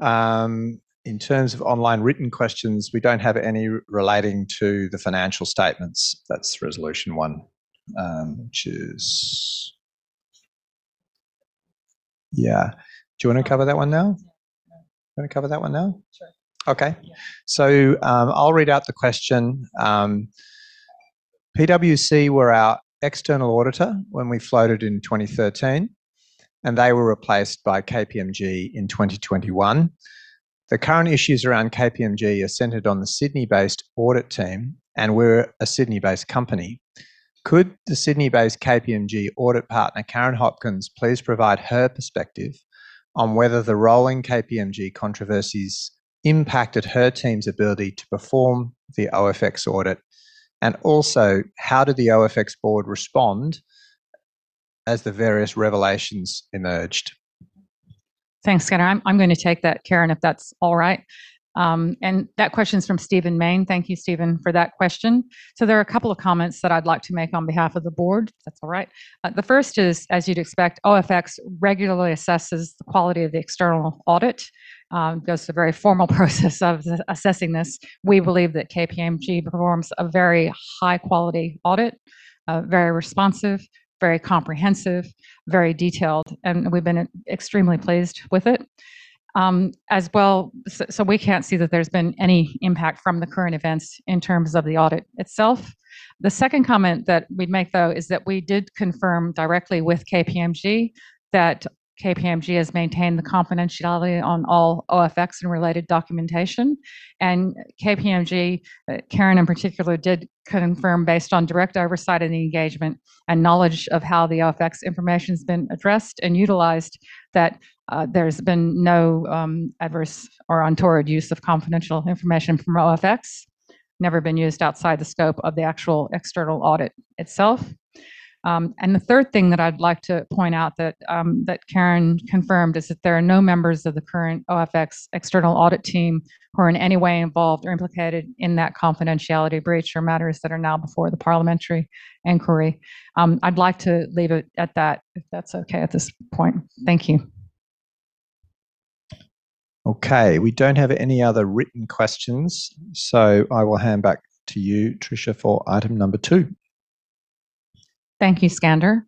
In terms of online written questions, we don't have any relating to the financial statements. That's resolution one, which is Yeah. Do you want to cover that one now? Yeah. You want to cover that one now? Sure. Okay. Yeah. I'll read out the question. PwC were our external auditor when we floated in 2013, and they were replaced by KPMG in 2021. The current issues around KPMG are centered on the Sydney-based audit team, and we're a Sydney-based company. Could the Sydney-based KPMG audit partner, Karen Hopkins, please provide her perspective on whether the rolling KPMG controversies impacted her team's ability to perform the OFX audit, and also how did the OFX board respond as the various revelations emerged? Thanks, Skander. I'm going to take that, Karen, if that's all right. That question's from Stephen Mayne. Thank you, Stephen, for that question. There are a couple of comments that I'd like to make on behalf of the board, if that's all right. The first is, as you'd expect, OFX regularly assesses the quality of the external audit. Goes through a very formal process of assessing this. We believe that KPMG performs a very high-quality audit, very responsive, very comprehensive, very detailed, and we've been extremely pleased with it. We can't see that there's been any impact from the current events in terms of the audit itself. The second comment that we'd make, though, is that we did confirm directly with KPMG that KPMG has maintained the confidentiality on all OFX and related documentation. KPMG, Karen in particular, did confirm, based on direct oversight of the engagement and knowledge of how the OFX information's been addressed and utilized, that there's been no adverse or untoward use of confidential information from OFX. Never been used outside the scope of the actual external audit itself. The third thing that I'd like to point out, that Karen confirmed, is that there are no members of the current OFX external audit team who are in any way involved or implicated in that confidentiality breach or matters that are now before the parliamentary inquiry. I'd like to leave it at that, if that's okay at this point. Thank you. We don't have any other written questions, I will hand back to you, Tricia, for item two. Thank you, Skander.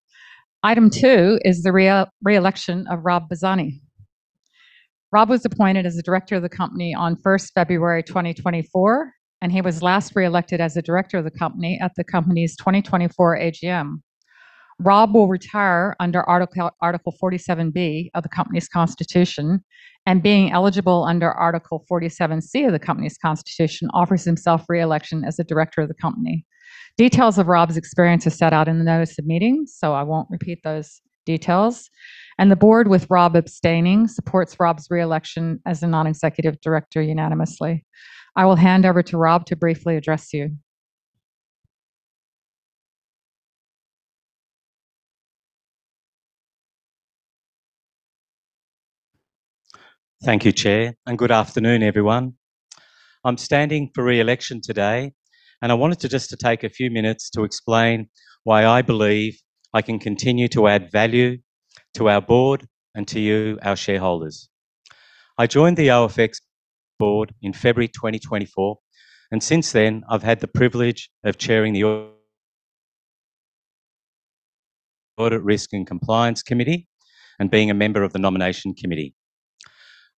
Item two is the re-election of Rob Bazzani. Rob was appointed as a director of the company on 1st February 2024, he was last re-elected as a director of the company at the company's 2024 AGM. Rob will retire under Article 47B of the company's constitution, being eligible under Article 47C of the company's constitution, offers himself re-election as a director of the company. Details of Rob's experience are set out in the notice of meeting, I won't repeat those details, the board, with Rob abstaining, supports Rob's re-election as a non-executive director unanimously. I will hand over to Rob to briefly address you. Thank you, Chair, good afternoon, everyone. I'm standing for re-election today, I wanted to just to take a few minutes to explain why I believe I can continue to add value to our board and to you, our shareholders. I joined the OFX board in February 2024, since then, I've had the privilege of chairing the Audit, Risk, and Compliance Committee and being a member of the Nomination Committee.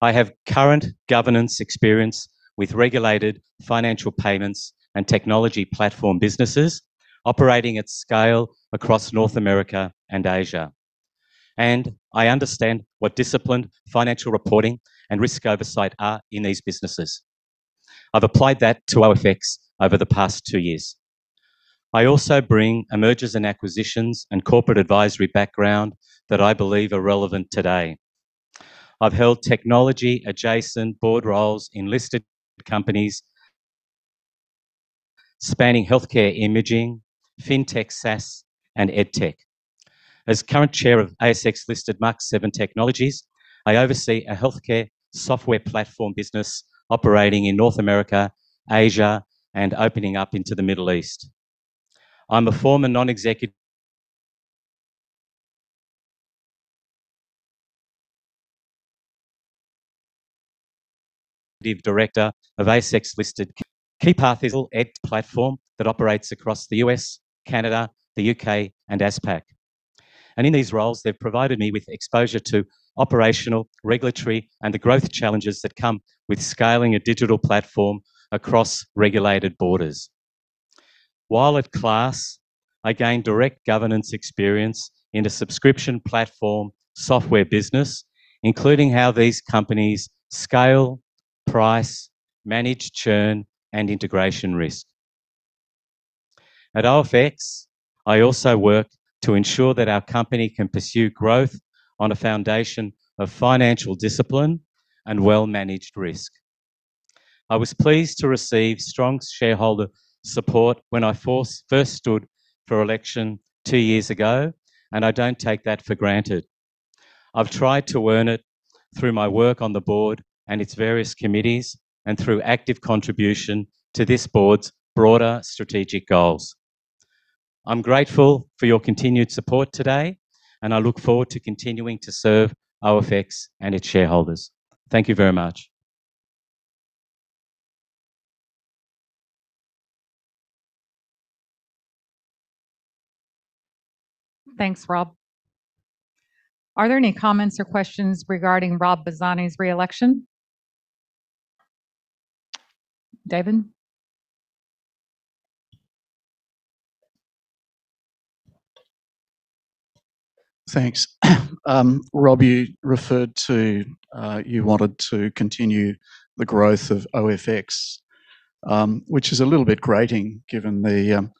I have current governance experience with regulated financial payments and technology platform businesses operating at scale across North America and Asia, I understand what disciplined financial reporting and risk oversight are in these businesses. I've applied that to OFX over the past two years. I also bring a mergers and acquisitions and corporate advisory background that I believe are relevant today. I've held technology-adjacent board roles in listed companies spanning healthcare imaging, fintech SaaS, and EdTech. As current chair of ASX-listed Mach7 Technologies, I oversee a healthcare software platform business operating in North America, Asia, and opening up into the Middle East. I'm a former non-executive director of ASX-listed Keypath Ed platform that operates across the U.S., Canada, the U.K., and APAC. In these roles, they've provided me with exposure to operational, regulatory, and the growth challenges that come with scaling a digital platform across regulated borders. While at Class, I gained direct governance experience in the subscription platform software business, including how these companies scale, price, manage churn, and integration risk. At OFX, I also work to ensure that our company can pursue growth on a foundation of financial discipline and well-managed risk. I was pleased to receive strong shareholder support when I first stood for election two years ago, I don't take that for granted. I've tried to earn it through my work on the board and its various committees, and through active contribution to this board's broader strategic goals. I'm grateful for your continued support today, and I look forward to continuing to serve OFX and its shareholders. Thank you very much. Thanks, Rob. Are there any comments or questions regarding Rob Bazzani's re-election? David? Thanks. Rob, you referred to you wanted to continue the growth of OFX, which is a little bit grating given the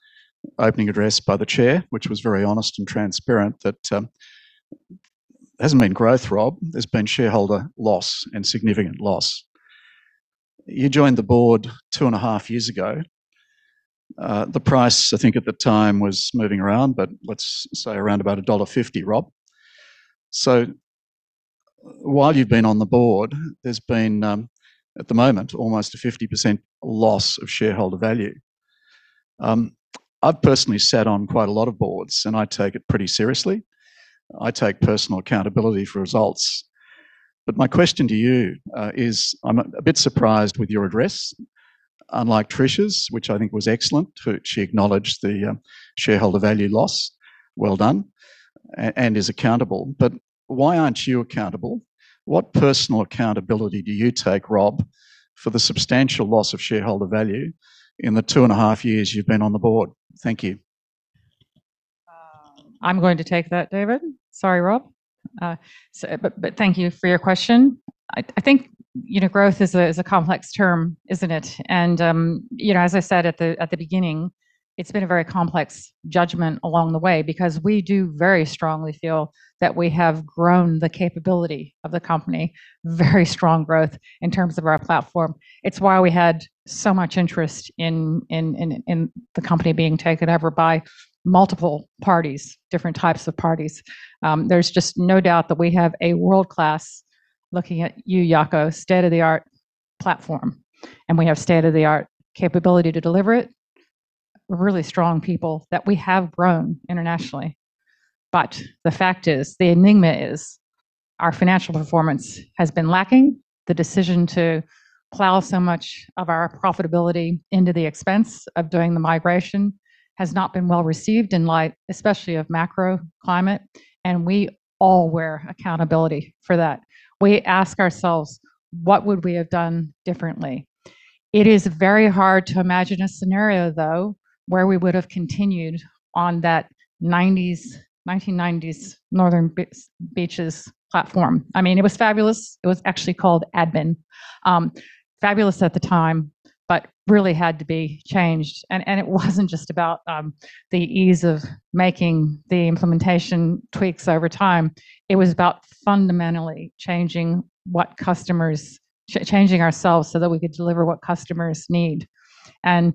opening address by the chair, which was very honest and transparent that, it hasn't been growth, Rob. There's been shareholder loss, and significant loss. You joined the board two and a half years ago. The price, I think at the time, was moving around, but let's say around about dollar 1.50, Rob. While you've been on the board, there's been, at the moment, almost a 50% loss of shareholder value. I've personally sat on quite a lot of boards, and I take it pretty seriously. I take personal accountability for results. My question to you is, I'm a bit surprised with your address. Unlike Trish's, which I think was excellent, she acknowledged the shareholder value loss, well done, and is accountable. Why aren't you accountable? What personal accountability do you take, Rob, for the substantial loss of shareholder value in the two and a half years you've been on the board? Thank you. I'm going to take that, David. Sorry, Rob. Thank you for your question. I think growth is a complex term, isn't it? As I said at the beginning, it's been a very complex judgment along the way, because we do very strongly feel that we have grown the capability of the company, very strong growth in terms of our platform. It's why we had so much interest in the company being taken over by multiple parties, different types of parties. There's just no doubt that we have a world-class, looking at you, Jaco, state-of-the-art platform, and we have state-of-the-art capability to deliver it. Really strong people that we have grown internationally. The fact is, the enigma is our financial performance has been lacking. The decision to plow so much of our profitability into the expense of doing the migration has not been well-received in light, especially, of macro climate, we all wear accountability for that. We ask ourselves, what would we have done differently? It is very hard to imagine a scenario, though, where we would've continued on that 1990s Northern Beaches platform. It was fabulous. It was actually called Admin. Fabulous at the time, really had to be changed. It wasn't just about the ease of making the implementation tweaks over time. It was about fundamentally changing ourselves so that we could deliver what customers need. I'm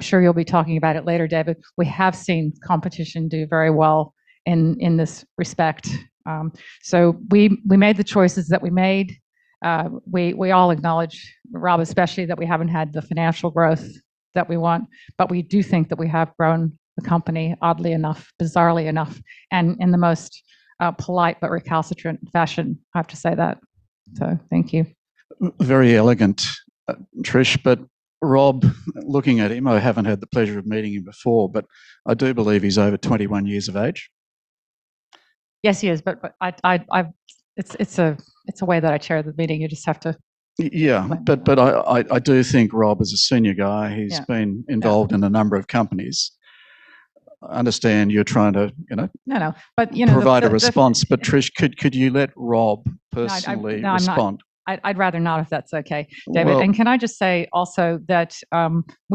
sure you'll be talking about it later, David, we have seen competition do very well in this respect. We made the choices that we made. We all acknowledge, Rob especially, that we haven't had the financial growth that we want. We do think that we have grown the company, oddly enough, bizarrely enough, in the most polite but recalcitrant fashion, I have to say that. Thank you. Very elegant, Trish but, Rob, looking at him, I haven't had the pleasure of meeting him before, I do believe he's over 21 years of age. Yes, he is. It's a way that I chair the meeting. You just have to. Yeah. I do think Rob is a senior guy. Yeah. He's been involved in a number of companies. I understand you're trying to- No -provide a response. Trish, could you let Rob personally respond? No, I'm not. I'd rather not, if that's okay, David. Well- Can I just say also that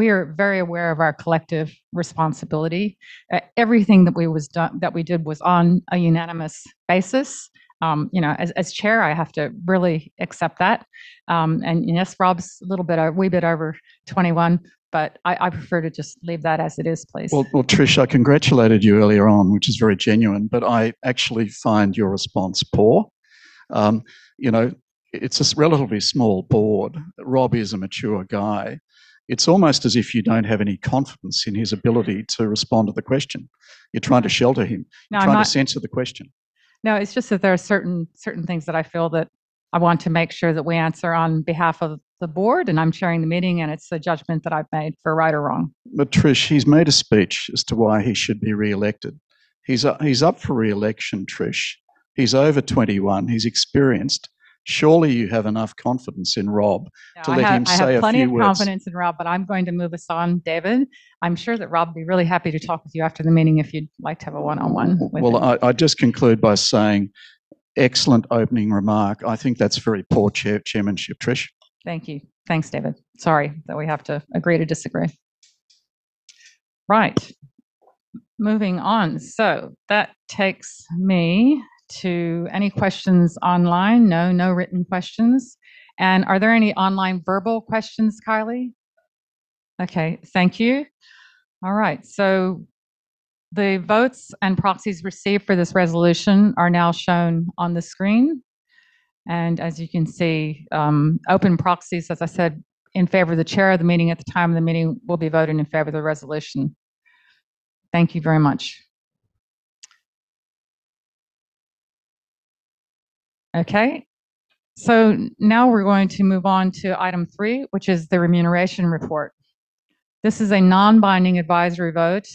we are very aware of our collective responsibility. Everything that we did was on a unanimous basis. As chair, I have to really accept that. Yes, Rob's a way bit over 21, but I prefer to just leave that as it is, please. Well, Trish, I congratulated you earlier on, which is very genuine, but I actually find your response poor. It's a relatively small board. Rob is a mature guy. It's almost as if you don't have any confidence in his ability to respond to the question. You're trying to shelter him. No, I'm not. You're trying to censor the question. It's just that there are certain things that I feel that I want to make sure that we answer on behalf of the Board, and I'm chairing the meeting, and it's the judgment that I've made, for right or wrong. Trish, he's made a speech as to why he should be reelected. He's up for reelection, Trish. He's over 21. He's experienced. Surely you have enough confidence in Rob to let him say a few words. I have plenty of confidence in Rob, but I'm going to move us on, David. I'm sure that Rob would be really happy to talk with you after the meeting if you'd like to have a one-on-one with him. Well, I'd just conclude by saying excellent opening remark. I think that's very poor chairmanship, Trish. Thank you. Thanks, David. Sorry that we have to agree to disagree. Right. Moving on. That takes me to any questions online. No, no written questions. Are there any online verbal questions, Kylie? Okay. Thank you. All right. The votes and proxies received for this resolution are now shown on the screen. As you can see, open proxies, as I said, in favor of the Chair of the meeting at the time of the meeting will be voting in favor of the resolution. Thank you very much. Okay. Now we're going to move on to item three, which is the remuneration report. This is a non-binding advisory vote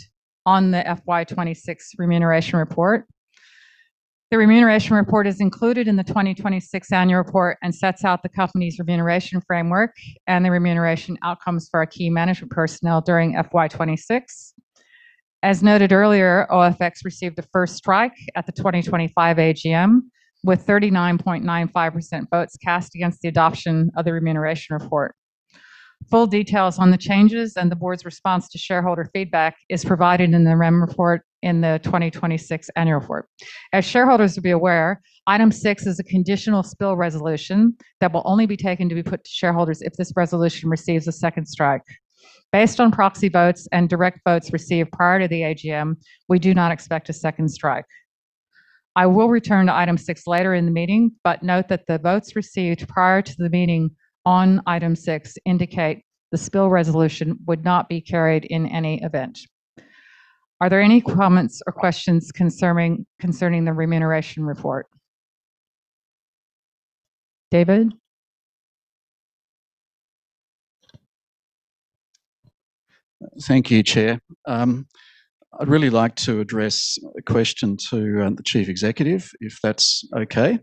on the FY 2026 remuneration report. The remuneration report is included in the 2026 annual report and sets out the company's remuneration framework and the remuneration outcomes for our key management personnel during FY 2026. As noted earlier, OFX received a first strike at the 2025 AGM, with 39.95% votes cast against the adoption of the remuneration report. Full details on the changes and the board's response to shareholder feedback is provided in the REM report in the 2026 annual report. As shareholders will be aware, item six is a conditional spill resolution that will only be taken to be put to shareholders if this resolution receives a second strike. Based on proxy votes and direct votes received prior to the AGM, we do not expect a second strike. I will return to item six later in the meeting, but note that the votes received prior to the meeting on item six indicate the spill resolution would not be carried in any event. Are there any comments or questions concerning the remuneration report? David? Thank you, Chair. I'd really like to address a question to the chief executive, if that's okay.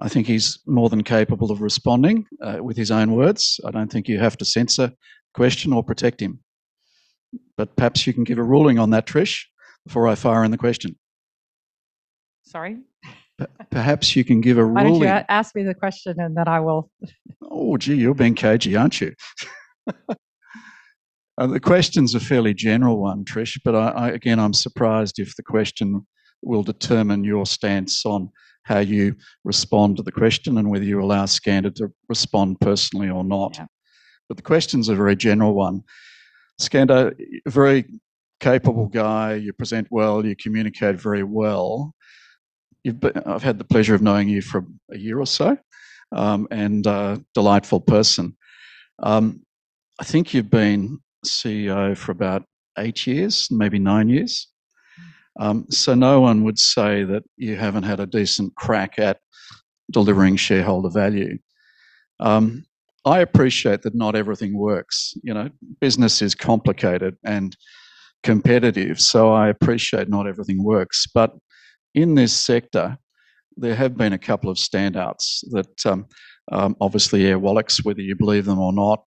I think he's more than capable of responding with his own words. I don't think you have to censor the question or protect him. Perhaps you can give a ruling on that, Trish, before I fire in the question. Sorry? Perhaps you can give a ruling. Why don't you ask me the question, and then I will Oh, gee, you're being cagey, aren't you? The question's a fairly general one, Trish. Again, I'm surprised if the question will determine your stance on how you respond to the question and whether you allow Skander to respond personally or not. Yeah. The question's a very general one. Skander, very capable guy. You present well. You communicate very well. I've had the pleasure of knowing you for a year or so, and a delightful person. I think you've been CEO for about eight years, maybe nine years. No one would say that you haven't had a decent crack at delivering shareholder value. I appreciate that not everything works. Business is complicated and competitive, so I appreciate not everything works. In this sector, there have been a couple of standouts. Obviously, Airwallex, whether you believe them or not,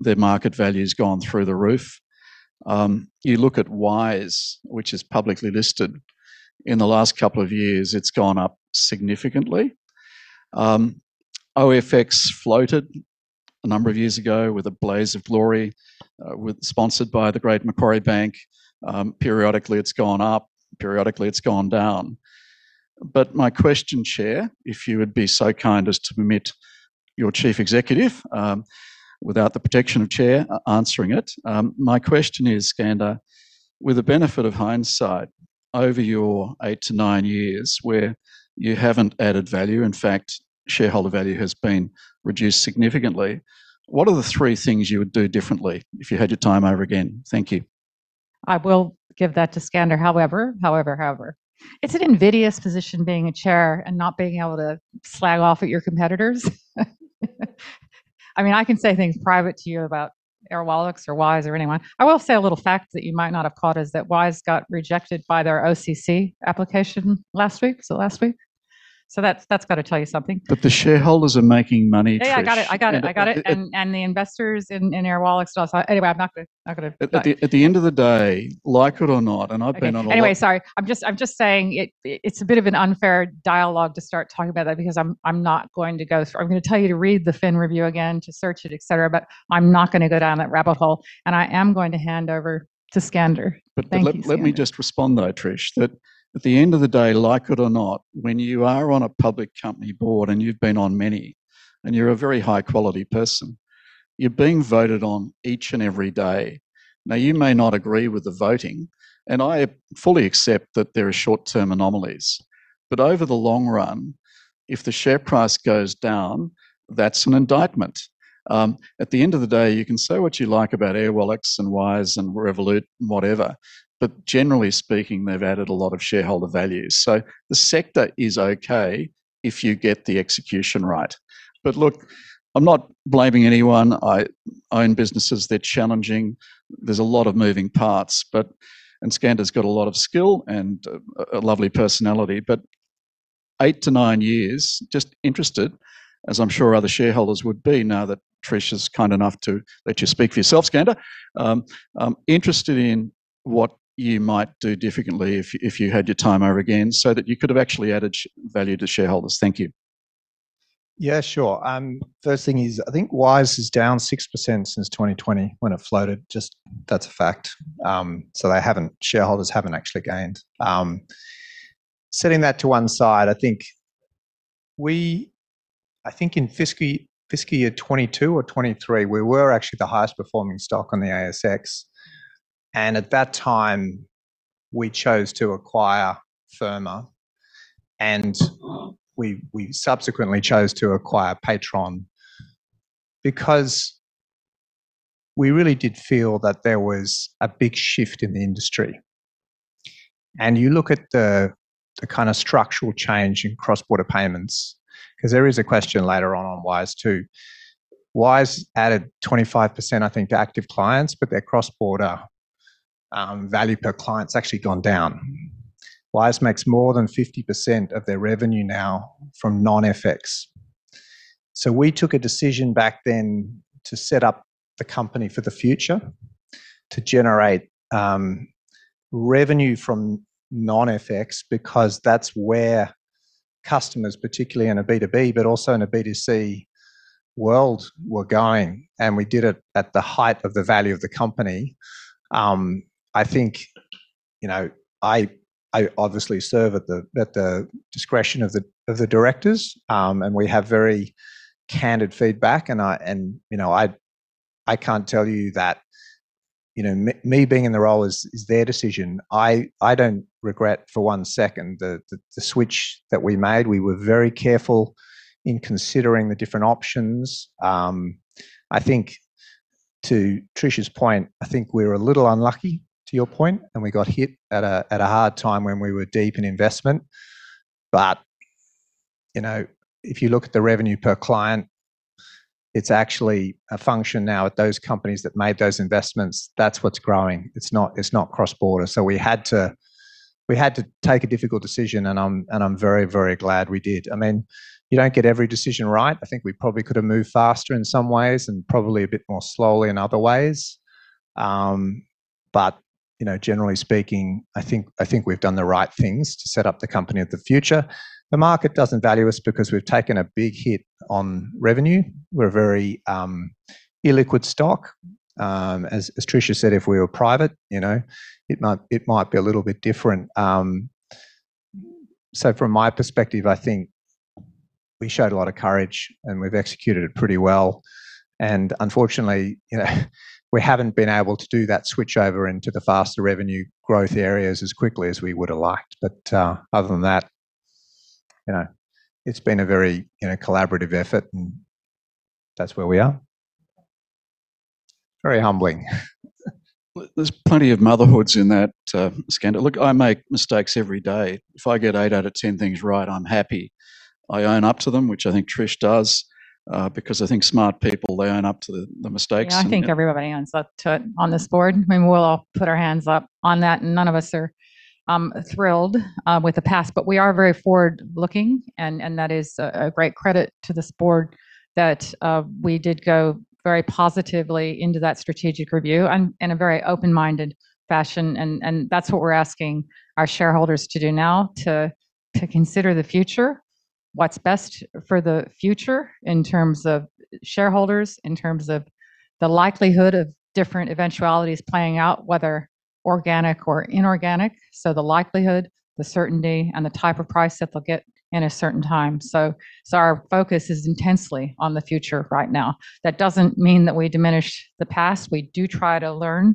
their market value's gone through the roof. You look at Wise, which is publicly listed. In the last couple of years, it's gone up significantly. OFX floated a number of years ago with a blaze of glory, sponsored by the great Macquarie Bank. Periodically it's gone up, periodically it's gone down. My question, Chair, if you would be so kind as to permit your Chief Executive, without the protection of Chair, answering it. My question is, Skander, with the benefit of hindsight over your eight to nine years where you haven't added value, in fact, shareholder value has been reduced significantly, what are the three things you would do differently if you had your time over again? Thank you. I will give that to Skander. However, it's an invidious position being a Chair and not being able to slag off at your competitors. I can say things private to you about Airwallex or Wise or anyone. I will say a little fact that you might not have caught is that Wise got rejected by their OCC application last week. Was it last week? That's got to tell you something. The shareholders are making money, Trish. Yeah, I got it. The investors in Airwallex thought so. At the end of the day, like it or not, I've been on a lot- Okay. Anyway, sorry. I'm just saying, it's a bit of an unfair dialogue to start talking about that because I'm not going to go through. I'm going to tell you to read the Fin Review again, to search it, et cetera, but I'm not going to go down that rabbit hole, and I am going to hand over to Skander. Thank you, Skander. Let me just respond, though, Trish. That at the end of the day, like it or not, when you are on a public company board, and you've been on many, and you're a very high-quality person, you're being voted on each and every day. Now, you may not agree with the voting, and I fully accept that there are short-term anomalies. Over the long run, if the share price goes down, that's an indictment. At the end of the day, you can say what you like about Airwallex and Wise and Revolut and whatever, but generally speaking, they've added a lot of shareholder value. The sector is okay if you get the execution right. Look, I'm not blaming anyone. I own businesses. They're challenging. There's a lot of moving parts. Skander's got a lot of skill and a lovely personality. Eight to nine years, just interested, as I'm sure other shareholders would be now that Trish is kind enough to let you speak for yourself, Skander. I'm interested in what you might do differently if you had your time over again so that you could have actually added value to shareholders. Thank you. Yeah, sure. First thing is, I think Wise is down 6% since 2020 when it floated. Just, that's a fact. Shareholders haven't actually gained. Setting that to one side, I think in fiscal year 2022 or 2023, we were actually the highest performing stock on the ASX. At that time, we chose to acquire Firma and we subsequently chose to acquire Paytron because we really did feel that there was a big shift in the industry. You look at the kind of structural change in cross-border payments, because there is a question later on Wise, too. Wise added 25%, I think, to active clients, but their cross-border value per client's actually gone down. Wise makes more than 50% of their revenue now from non-FX. We took a decision back then to set up the company for the future To generate revenue from non-FX, because that's where customers, particularly in a B2B but also in a B2C world, were going. We did it at the height of the value of the company. I think, I obviously serve at the discretion of the directors. We have very candid feedback and I can't tell you that me being in the role is their decision. I don't regret for one second the switch that we made. We were very careful in considering the different options. I think to Trish's point, I think we're a little unlucky, to your point, and we got hit at a hard time when we were deep in investment. If you look at the revenue per client, it's actually a function now at those companies that made those investments, that's what's growing. It's not cross-border. We had to take a difficult decision and I'm very glad we did. You don't get every decision right. I think we probably could've moved faster in some ways, and probably a bit more slowly in other ways. Generally speaking, I think we've done the right things to set up the company of the future. The market doesn't value us because we've taken a big hit on revenue. We're a very illiquid stock. As Trish said, if we were private, it might be a little bit different. From my perspective, I think we showed a lot of courage, and we've executed it pretty well. Unfortunately, we haven't been able to do that switchover into the faster revenue growth areas as quickly as we would've liked. Other than that, it's been a very collaborative effort, and that's where we are. Very humbling. There's plenty of motherhoods in that, Skander. Look, I make mistakes every day. If I get eight out of 10 things right, I'm happy. I own up to them, which I think Trish does. Because I think smart people, they own up to the mistakes. Yeah, I think everybody owns up to it on this board. I mean, we'll all put our hands up on that, none of us are thrilled with the past. We are very forward-looking, and that is a great credit to this board, that we did go very positively into that strategic review and in a very open-minded fashion. That's what we're asking our shareholders to do now, to consider the future, what's best for the future in terms of shareholders, in terms of the likelihood of different eventualities playing out, whether organic or inorganic. The likelihood, the certainty, and the type of price that they'll get in a certain time. Our focus is intensely on the future right now. That doesn't mean that we diminish the past. We do try to learn.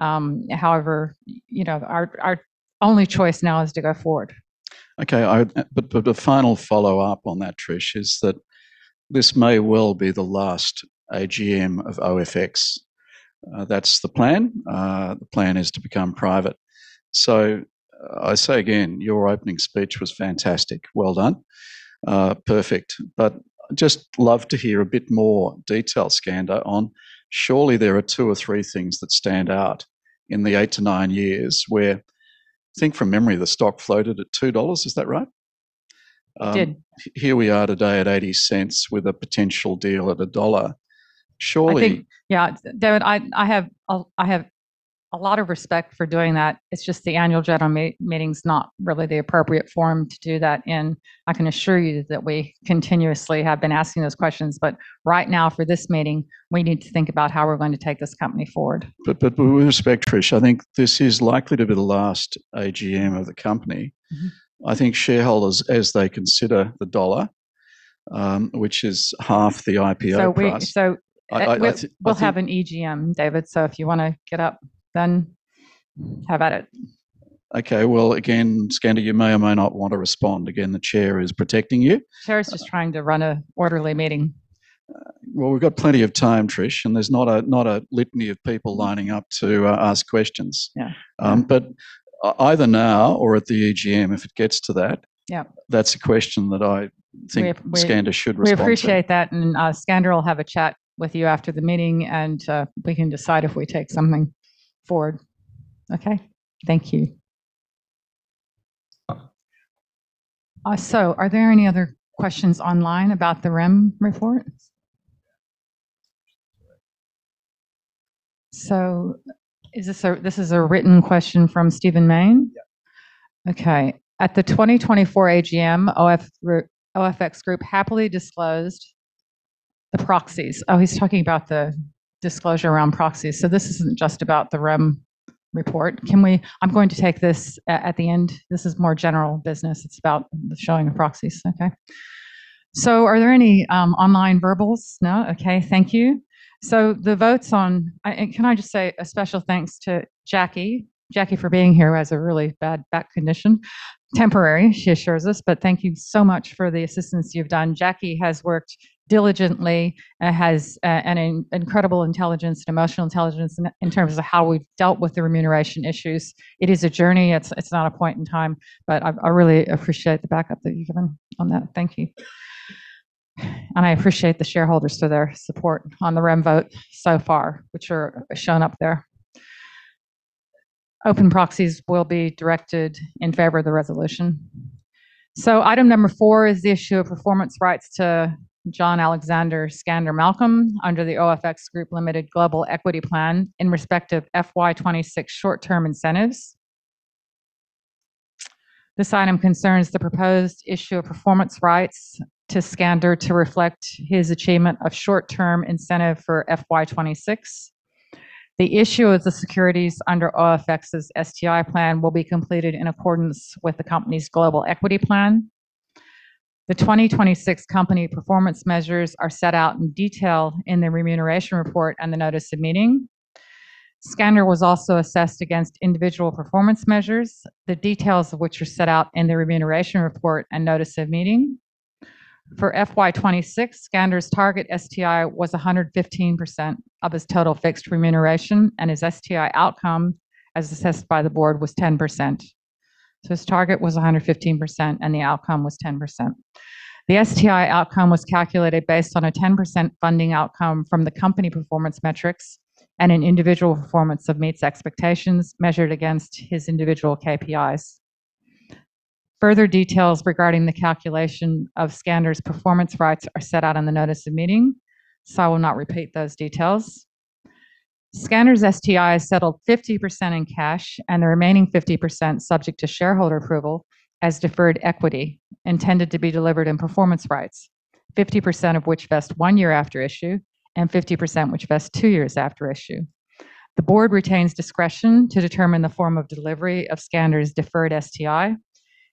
However, our only choice now is to go forward. Okay. The final follow-up on that, Trish, is that this may well be the last AGM of OFX. That's the plan. The plan is to become private. I say again, your opening speech was fantastic. Well done. Perfect. I'd just love to hear a bit more detail, Skander, on surely there are two or three things that stand out in the eight to nine years where, I think from memory, the stock floated at 2 dollars. Is that right? It did. Here we are today at 0.80 with a potential deal at AUD 1. I think, yeah, David, I have a lot of respect for doing that. It's just the annual general meeting's not really the appropriate forum to do that in. I can assure you that we continuously have been asking those questions. Right now, for this meeting, we need to think about how we're going to take this company forward. With respect, Trish, I think this is likely to be the last AGM of the company. I think shareholders, as they consider AUD 1, which is half the IPO price. We'll have an EGM, David. If you want to get up, then have at it. Okay. Well, again, Skander, you may or may not want to respond. Again, the chair is protecting you. The chair is just trying to run an orderly meeting. Well, we've got plenty of time, Trish, and there's not a litany of people lining up to ask questions. Yeah. Either now or at the EGM, if it gets to that. Yeah That's a question that I think Skander should respond to. We appreciate that. Skander will have a chat with you after the meeting and we can decide if we take something forward. Okay? Thank you. Are there any other questions online about the REM report? This is a written question from Stephen Mayne? Yeah. Okay. At the 2024 AGM, OFX Group happily disclosed the proxies. Oh, he's talking about the disclosure around proxies. This isn't just about the REM report. I'm going to take this at the end. This is more general business. It's about the showing of proxies. Okay. Are there any online verbals? No? Okay. Thank you. The votes on. Can I just say a special thanks to Jackie. Jackie for being here, who has a really bad back condition. Temporary, she assures us. Thank you so much for the assistance you've done. Jackie has worked diligently and has an incredible intelligence and emotional intelligence in terms of how we've dealt with the remuneration issues. It is a journey. It's not a point in time. I really appreciate the backup that you've given on that. Thank you. I appreciate the shareholders for their support on the REM vote so far, which are shown up there. Open proxies will be directed in favor of the resolution. Item number four is the issue of performance rights to John Alexander Skander Malcolm under the OFX Group Ltd. Global Equity Plan in respect of FY 2026 short-term incentives. This item concerns the proposed issue of performance rights to Skander to reflect his achievement of short-term incentive for FY 2026. The issue of the securities under OFX's STI plan will be completed in accordance with the company's Global Equity Plan. The 2026 company performance measures are set out in detail in the remuneration report and the notice of meeting. Skander was also assessed against individual performance measures, the details of which were set out in the remuneration report and notice of meeting. For FY 2026, Skander's target STI was 115% of his total fixed remuneration, and his STI outcome, as assessed by the board, was 10%. His target was 115% and the outcome was 10%. The STI outcome was calculated based on a 10% funding outcome from the company performance metrics and an individual performance of meets expectations measured against his individual KPIs. Further details regarding the calculation of Skander's performance rights are set out in the notice of meeting, I will not repeat those details. Skander's STI is settled 50% in cash, and the remaining 50% subject to shareholder approval as deferred equity intended to be delivered in performance rights, 50% of which vest one year after issue and 50% which vest two years after issue. The board retains discretion to determine the form of delivery of Skander's deferred STI,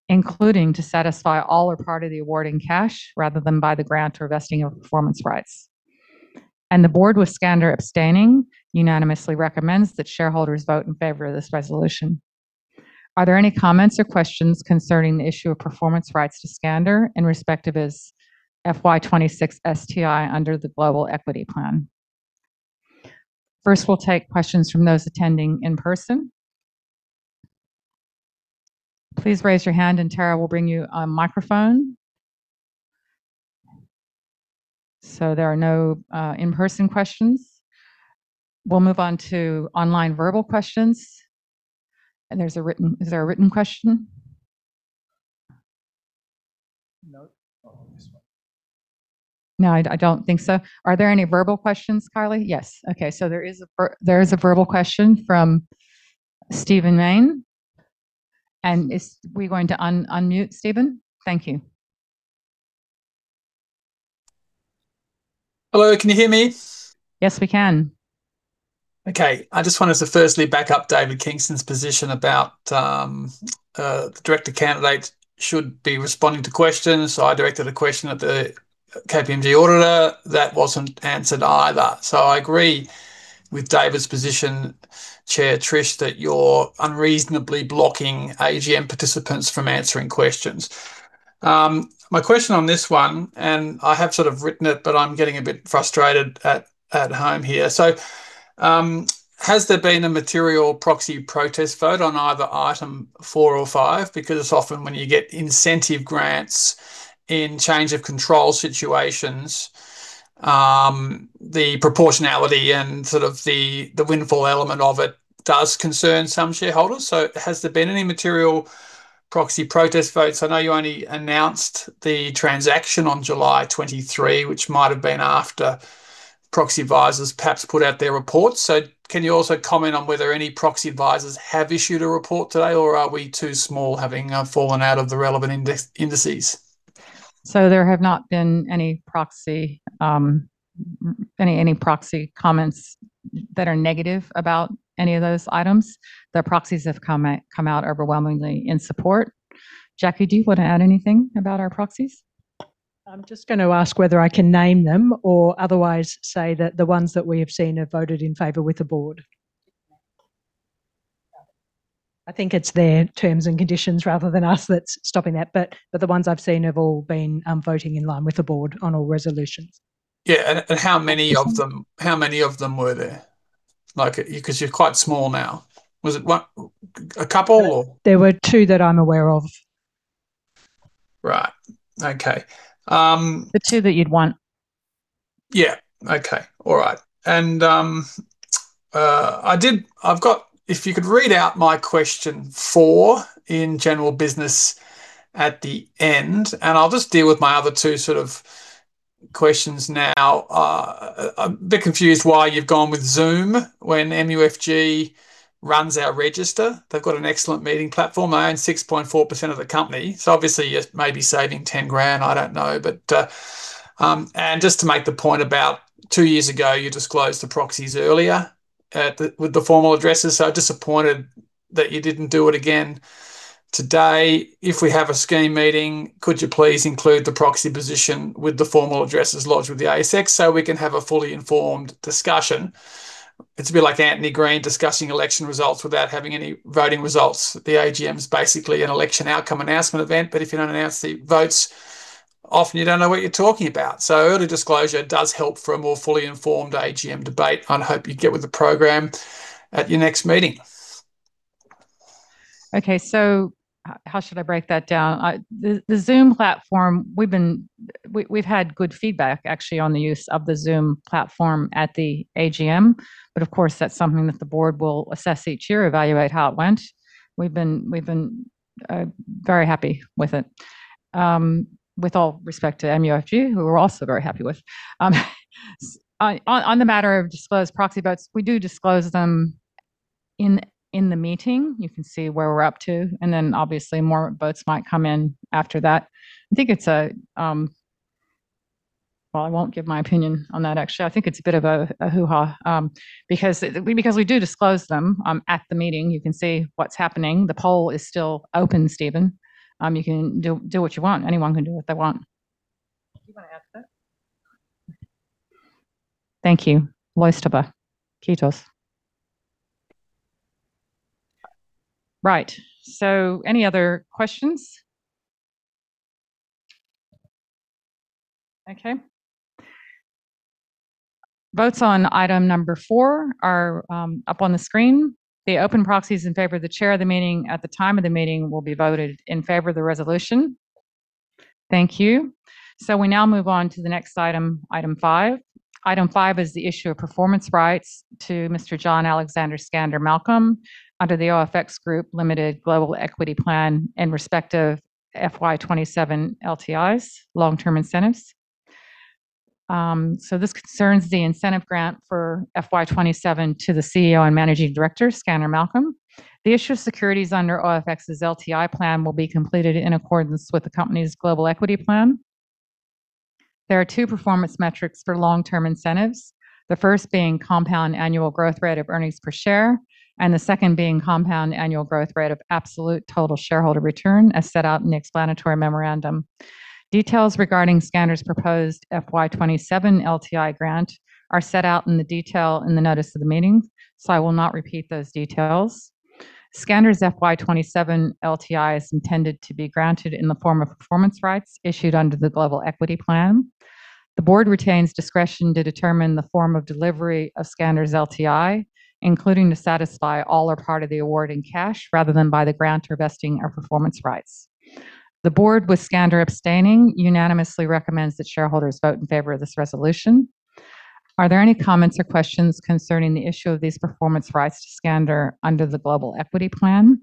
including to satisfy all or part of the award in cash rather than by the grant or vesting of performance rights. The board, with Skander abstaining, unanimously recommends that shareholders vote in favor of this resolution. Are there any comments or questions concerning the issue of performance rights to Skander in respect of his FY 2026 STI under the Global Equity Plan? First, we'll take questions from those attending in person. Please raise your hand and Tara will bring you a microphone. There are no in-person questions. We'll move on to online verbal questions. Is there a written question? No. Oh, this one. No, I don't think so. Are there any verbal questions, Carly? Yes. Okay. There is a verbal question from Stephen Mayne. Is we going to unmute Stephen? Thank you. Hello, can you hear me? Yes, we can. Okay. I just wanted to firstly back up David Kingston's position about the director candidates should be responding to questions. I directed a question at the KPMG auditor that wasn't answered either. I agree with David's position, Chair Trish, that you're unreasonably blocking AGM participants from answering questions. My question on this one, I have sort of written it, but I'm getting a bit frustrated at home here. Has there been a material proxy protest vote on either item four or five? Because it's often when you get incentive grants in change of control situations, the proportionality and sort of the windfall element of it does concern some shareholders. Has there been any material proxy protest votes? I know you only announced the transaction on July 23, which might have been after proxy advisors perhaps put out their reports. Can you also comment on whether any proxy advisors have issued a report today, or are we too small having fallen out of the relevant indices? There have not been any proxy comments that are negative about any of those items. The proxies have come out overwhelmingly in support. Jackie, do you want to add anything about our proxies? I'm just going to ask whether I can name them or otherwise say that the ones that we have seen have voted in favor with the board. I think it's their terms and conditions rather than us that's stopping that. The ones I've seen have all been voting in line with the board on all resolutions. Yeah. How many of them were there? Because you're quite small now. Was it a couple or? There were two that I'm aware of. Right. Okay. The two that you'd want. Yeah. Okay. All right. If you could read out my question four in general business at the end, and I'll just deal with my other two sort of questions now. I'm a bit confused why you've gone with Zoom when MUFG runs our register. They've got an excellent meeting platform. I own 6.4% of the company. Obviously you're maybe saving 10 grand, I don't know. Just to make the point about two years ago, you disclosed the proxies earlier with the formal addresses, so disappointed that you didn't do it again today. If we have a scheme meeting, could you please include the proxy position with the formal addresses lodged with the ASX so we can have a fully informed discussion? It's a bit like Anthony Green discussing election results without having any voting results. The AGM is basically an election outcome announcement event, if you don't announce the votes, often you don't know what you're talking about. Early disclosure does help for a more fully informed AGM debate. I hope you get with the program at your next meeting. How should I break that down? The Zoom platform, we've had good feedback, actually, on the use of the Zoom platform at the AGM. Of course, that's something that the board will assess each year, evaluate how it went. We've been very happy with it. With all respect to MUFG, who we're also very happy with. On the matter of disclosed proxy votes, we do disclose them in the meeting. You can see where we're up to, and then obviously more votes might come in after that. I won't give my opinion on that, actually. I think it's a bit of a hoo-ha. We do disclose them at the meeting. You can see what's happening. The poll is still open, Stephen. You can do what you want. Anyone can do what they want. Do you want to add to that? Thank you. [inaudible] [inaudible] Right. Any other questions? Votes on item number four are up on the screen. The open proxies in favor of the chair of the meeting at the time of the meeting will be voted in favor of the resolution. Thank you. We now move on to the next item five. Item five is the issue of performance rights to Mr. John Alexander Skander Malcolm under the OFX Group Ltd. Global Equity Plan in respect of FY 2027 LTIs, long-term incentives. This concerns the incentive grant for FY 2027 to the CEO and managing director, Skander Malcolm. The issue of securities under OFX's LTI plan will be completed in accordance with the company's Global Equity Plan. There are two performance metrics for long-term incentives, the first being compound annual growth rate of earnings per share, and the second being compound annual growth rate of absolute total shareholder return, as set out in the explanatory memorandum. Details regarding Skander's proposed FY 2027 LTI grant are set out in the detail in the notice of the meeting. I will not repeat those details. Skander's FY 2027 LTI is intended to be granted in the form of performance rights issued under the Global Equity Plan. The board retains discretion to determine the form of delivery of Skander's LTI, including to satisfy all or part of the award in cash, rather than by the grant or vesting of performance rights. The board, with Skander abstaining, unanimously recommends that shareholders vote in favor of this resolution. Are there any comments or questions concerning the issue of these performance rights to Skander under the Global Equity Plan?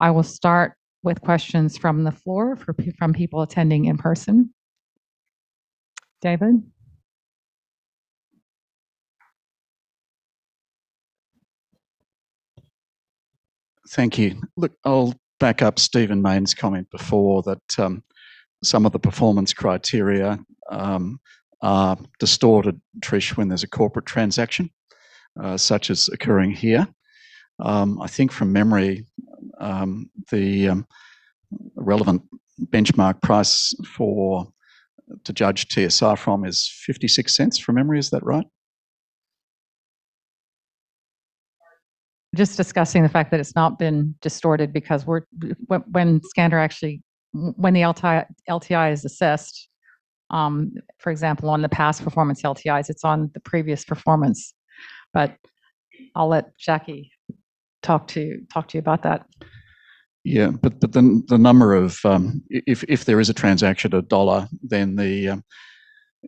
I will start with questions from the floor from people attending in person. David? Thank you. Look, I'll back up Stephen Mayne's comment before that some of the performance criteria are distorted, Trish, when there's a corporate transaction, such as occurring here. I think from memory, the relevant benchmark price to judge TSR from is 0.56 from memory. Is that right? Just discussing the fact that it's not been distorted because when the LTI is assessed, for example, on the past performance LTIs, it's on the previous performance. I'll let Jackie talk to you about that. Yeah. If there is a transaction at AUD 1.00, then the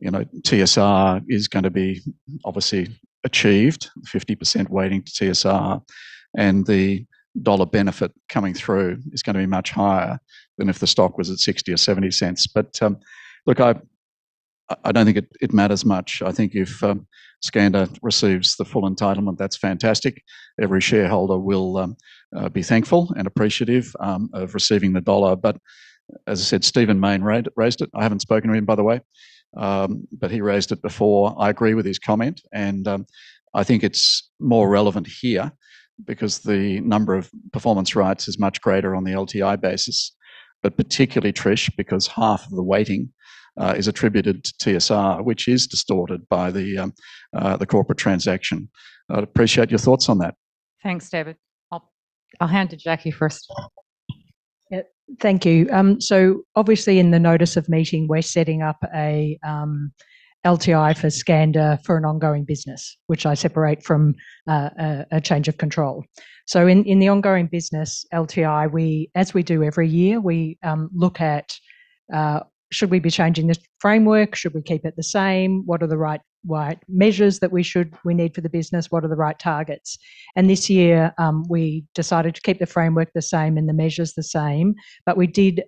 TSR is going to be obviously achieved. 50% weighting to TSR. The AUD 1.00 benefit coming through is going to be much higher than if the stock was at 0.60 or 0.70. Look, I don't think it matters much. I think if Skander receives the full entitlement, that's fantastic. Every shareholder will be thankful and appreciative of receiving the AUD 1.00. As I said, Stephen Mayne raised it. I haven't spoken to him, by the way. He raised it before. I agree with his comment, and I think it's more relevant here because the number of performance rights is much greater on the LTI basis. Particularly, Trish, because half of the weighting is attributed to TSR, which is distorted by the corporate transaction. I'd appreciate your thoughts on that. Thanks, David. I'll hand to Jackie first. Yeah. Thank you. Obviously, in the notice of meeting, we're setting up a LTI for Skander for an ongoing business, which I separate from a change of control. In the ongoing business LTI, as we do every year, we look at should we be changing the framework, should we keep it the same? What are the right measures that we need for the business? What are the right targets? This year, we decided to keep the framework the same and the measures the same, but we did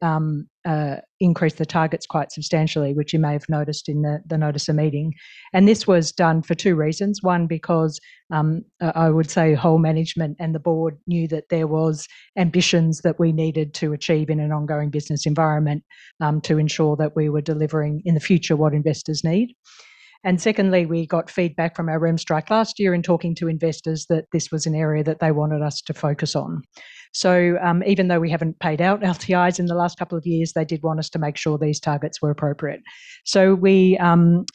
increase the targets quite substantially, which you may have noticed in the notice of meeting. This was done for two reasons. One, because, I would say whole management and the board knew that there was ambitions that we needed to achieve in an ongoing business environment to ensure that we were delivering in the future what investors need. Secondly, we got feedback from our rem strike last year in talking to investors that this was an area that they wanted us to focus on. Even though we haven't paid out LTIs in the last couple of years, they did want us to make sure these targets were appropriate. We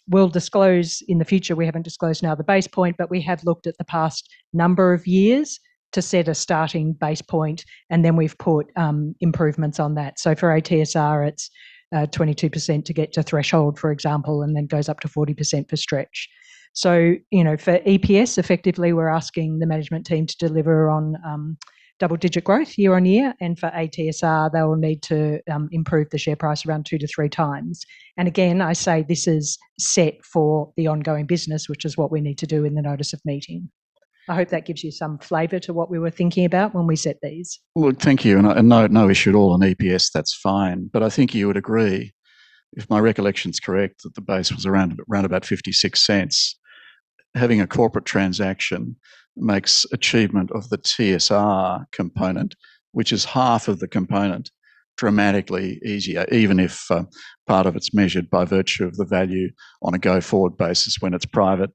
will disclose in the future. We haven't disclosed now the base point, but we have looked at the past number of years to set a starting base point, and then we've put improvements on that. For ATSR, it's 22% to get to threshold, for example, and then goes up to 40% for stretch. For EPS, effectively, we're asking the management team to deliver on double-digit growth year-on-year, and for ATSR, they will need to improve the share price around two to three times. I say this is set for the ongoing business, which is what we need to do in the notice of meeting. I hope that gives you some flavor to what we were thinking about when we set these. Well, thank you. No issue at all on EPS. That's fine. I think you would agree, if my recollection's correct, that the base was around about 0.56. Having a corporate transaction makes achievement of the TSR component, which is half of the component, dramatically easier, even if part of it's measured by virtue of the value on a go-forward basis when it's private.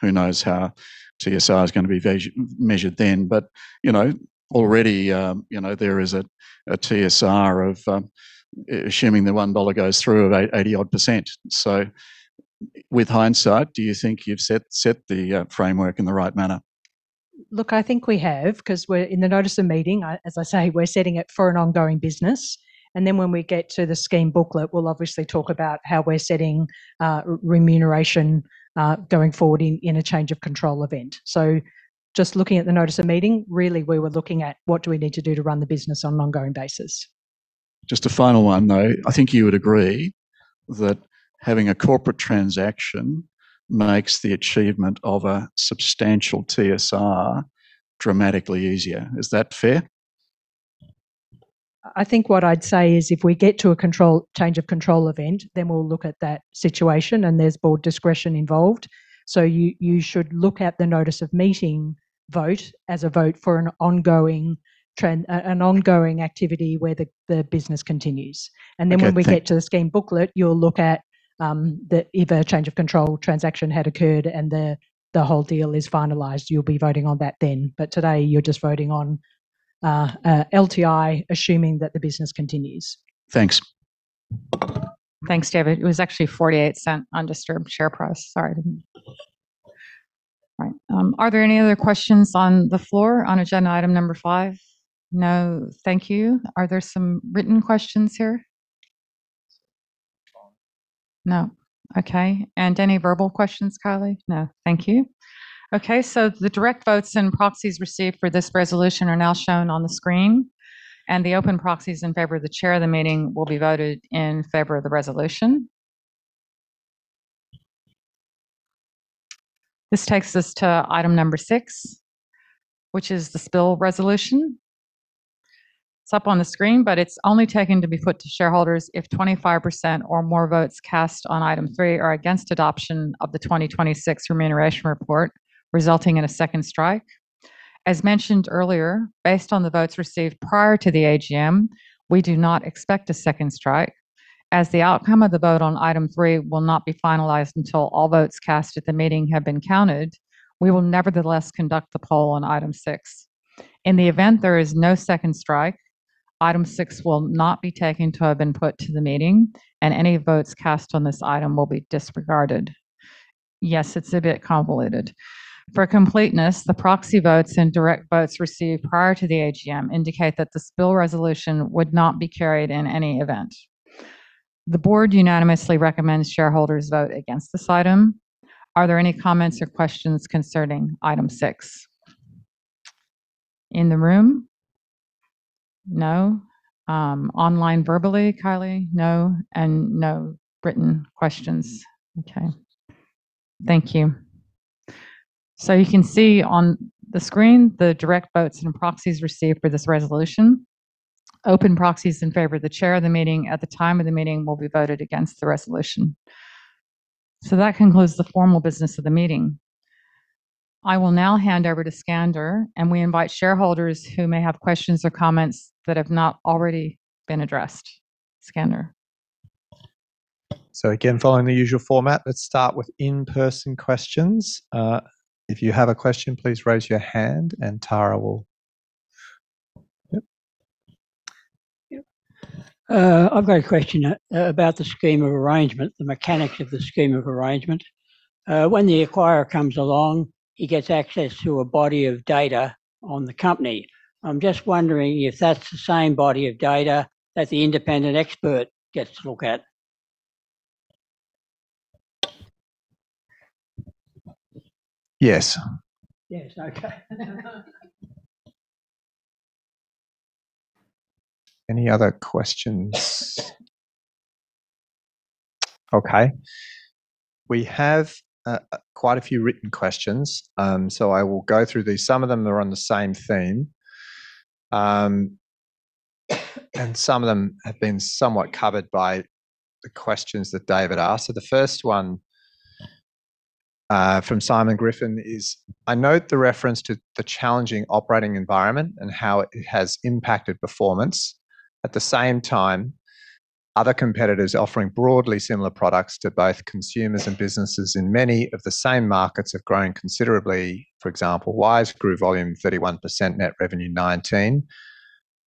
Who knows how TSR is going to be measured then. Already there is a TSR of, assuming the 1 dollar goes through, of 80-odd%. With hindsight, do you think you've set the framework in the right manner? Look, I think we have, because in the notice of meeting, as I say, we're setting it for an ongoing business. Then when we get to the scheme booklet, we'll obviously talk about how we're setting remuneration going forward in a change of control event. Just looking at the notice of meeting, really, we were looking at what do we need to do to run the business on an ongoing basis. Just a final one, though. I think you would agree that having a corporate transaction makes the achievement of a substantial TSR dramatically easier. Is that fair? I think what I'd say is if we get to a change of control event, we'll look at that situation, and there's board discretion involved. You should look at the notice of meeting vote as a vote for an ongoing activity where the business continues. Okay. When we get to the scheme booklet, you'll look at if a change of control transaction had occurred and the whole deal is finalized. You'll be voting on that then. Today, you're just voting on LTI, assuming that the business continues. Thanks. Thanks, David. It was actually 0.48 undisturbed share price. Sorry. All right. Are there any other questions on the floor on agenda item number five? No. Thank you. Are there some written questions here? No. Okay. Any verbal questions, Kylie? No. Thank you. The direct votes and proxies received for this resolution are now shown on the screen. The open proxies in favor of the chair of the meeting will be voted in favor of the resolution. This takes us to item number six, which is the spill resolution. It's up on the screen, it's only taken to be put to shareholders if 25% or more votes cast on item three are against adoption of the 2026 Remuneration Report, resulting in a second strike. As mentioned earlier, based on the votes received prior to the AGM, we do not expect a second strike. As the outcome of the vote on item three will not be finalized until all votes cast at the meeting have been counted, we will nevertheless conduct the poll on item six. In the event there is no second strike, item six will not be taken to have been put to the meeting, and any votes cast on this item will be disregarded. Yes, it's a bit convoluted. For completeness, the proxy votes and direct votes received prior to the AGM indicate that the spill resolution would not be carried in any event. The board unanimously recommends shareholders vote against this item. Are there any comments or questions concerning item six? In the room? No. Online verbally, Kylie? No. No written questions. Okay. Thank you. You can see on the screen the direct votes and proxies received for this resolution. Open proxies in favor of the chair of the meeting at the time of the meeting will be voted against the resolution. That concludes the formal business of the meeting. I will now hand over to Skander, and we invite shareholders who may have questions or comments that have not already been addressed. Skander. Again, following the usual format, let's start with in-person questions. If you have a question, please raise your hand, and Tara will. Yep. I've got a question about the scheme of arrangement, the mechanics of the scheme of arrangement. When the acquirer comes along, he gets access to a body of data on the company. I'm just wondering if that's the same body of data that the independent expert gets to look at. Yes. Yes. Okay. Any other questions? Okay. We have quite a few written questions. I will go through these. Some of them are on the same theme. Some of them have been somewhat covered by the questions that David asked. The first one from Simon Griffin is, "I note the reference to the challenging operating environment and how it has impacted performance. At the same time, other competitors offering broadly similar products to both consumers and businesses in many of the same markets have grown considerably. For example, Wise grew volume 31%, net revenue 19%.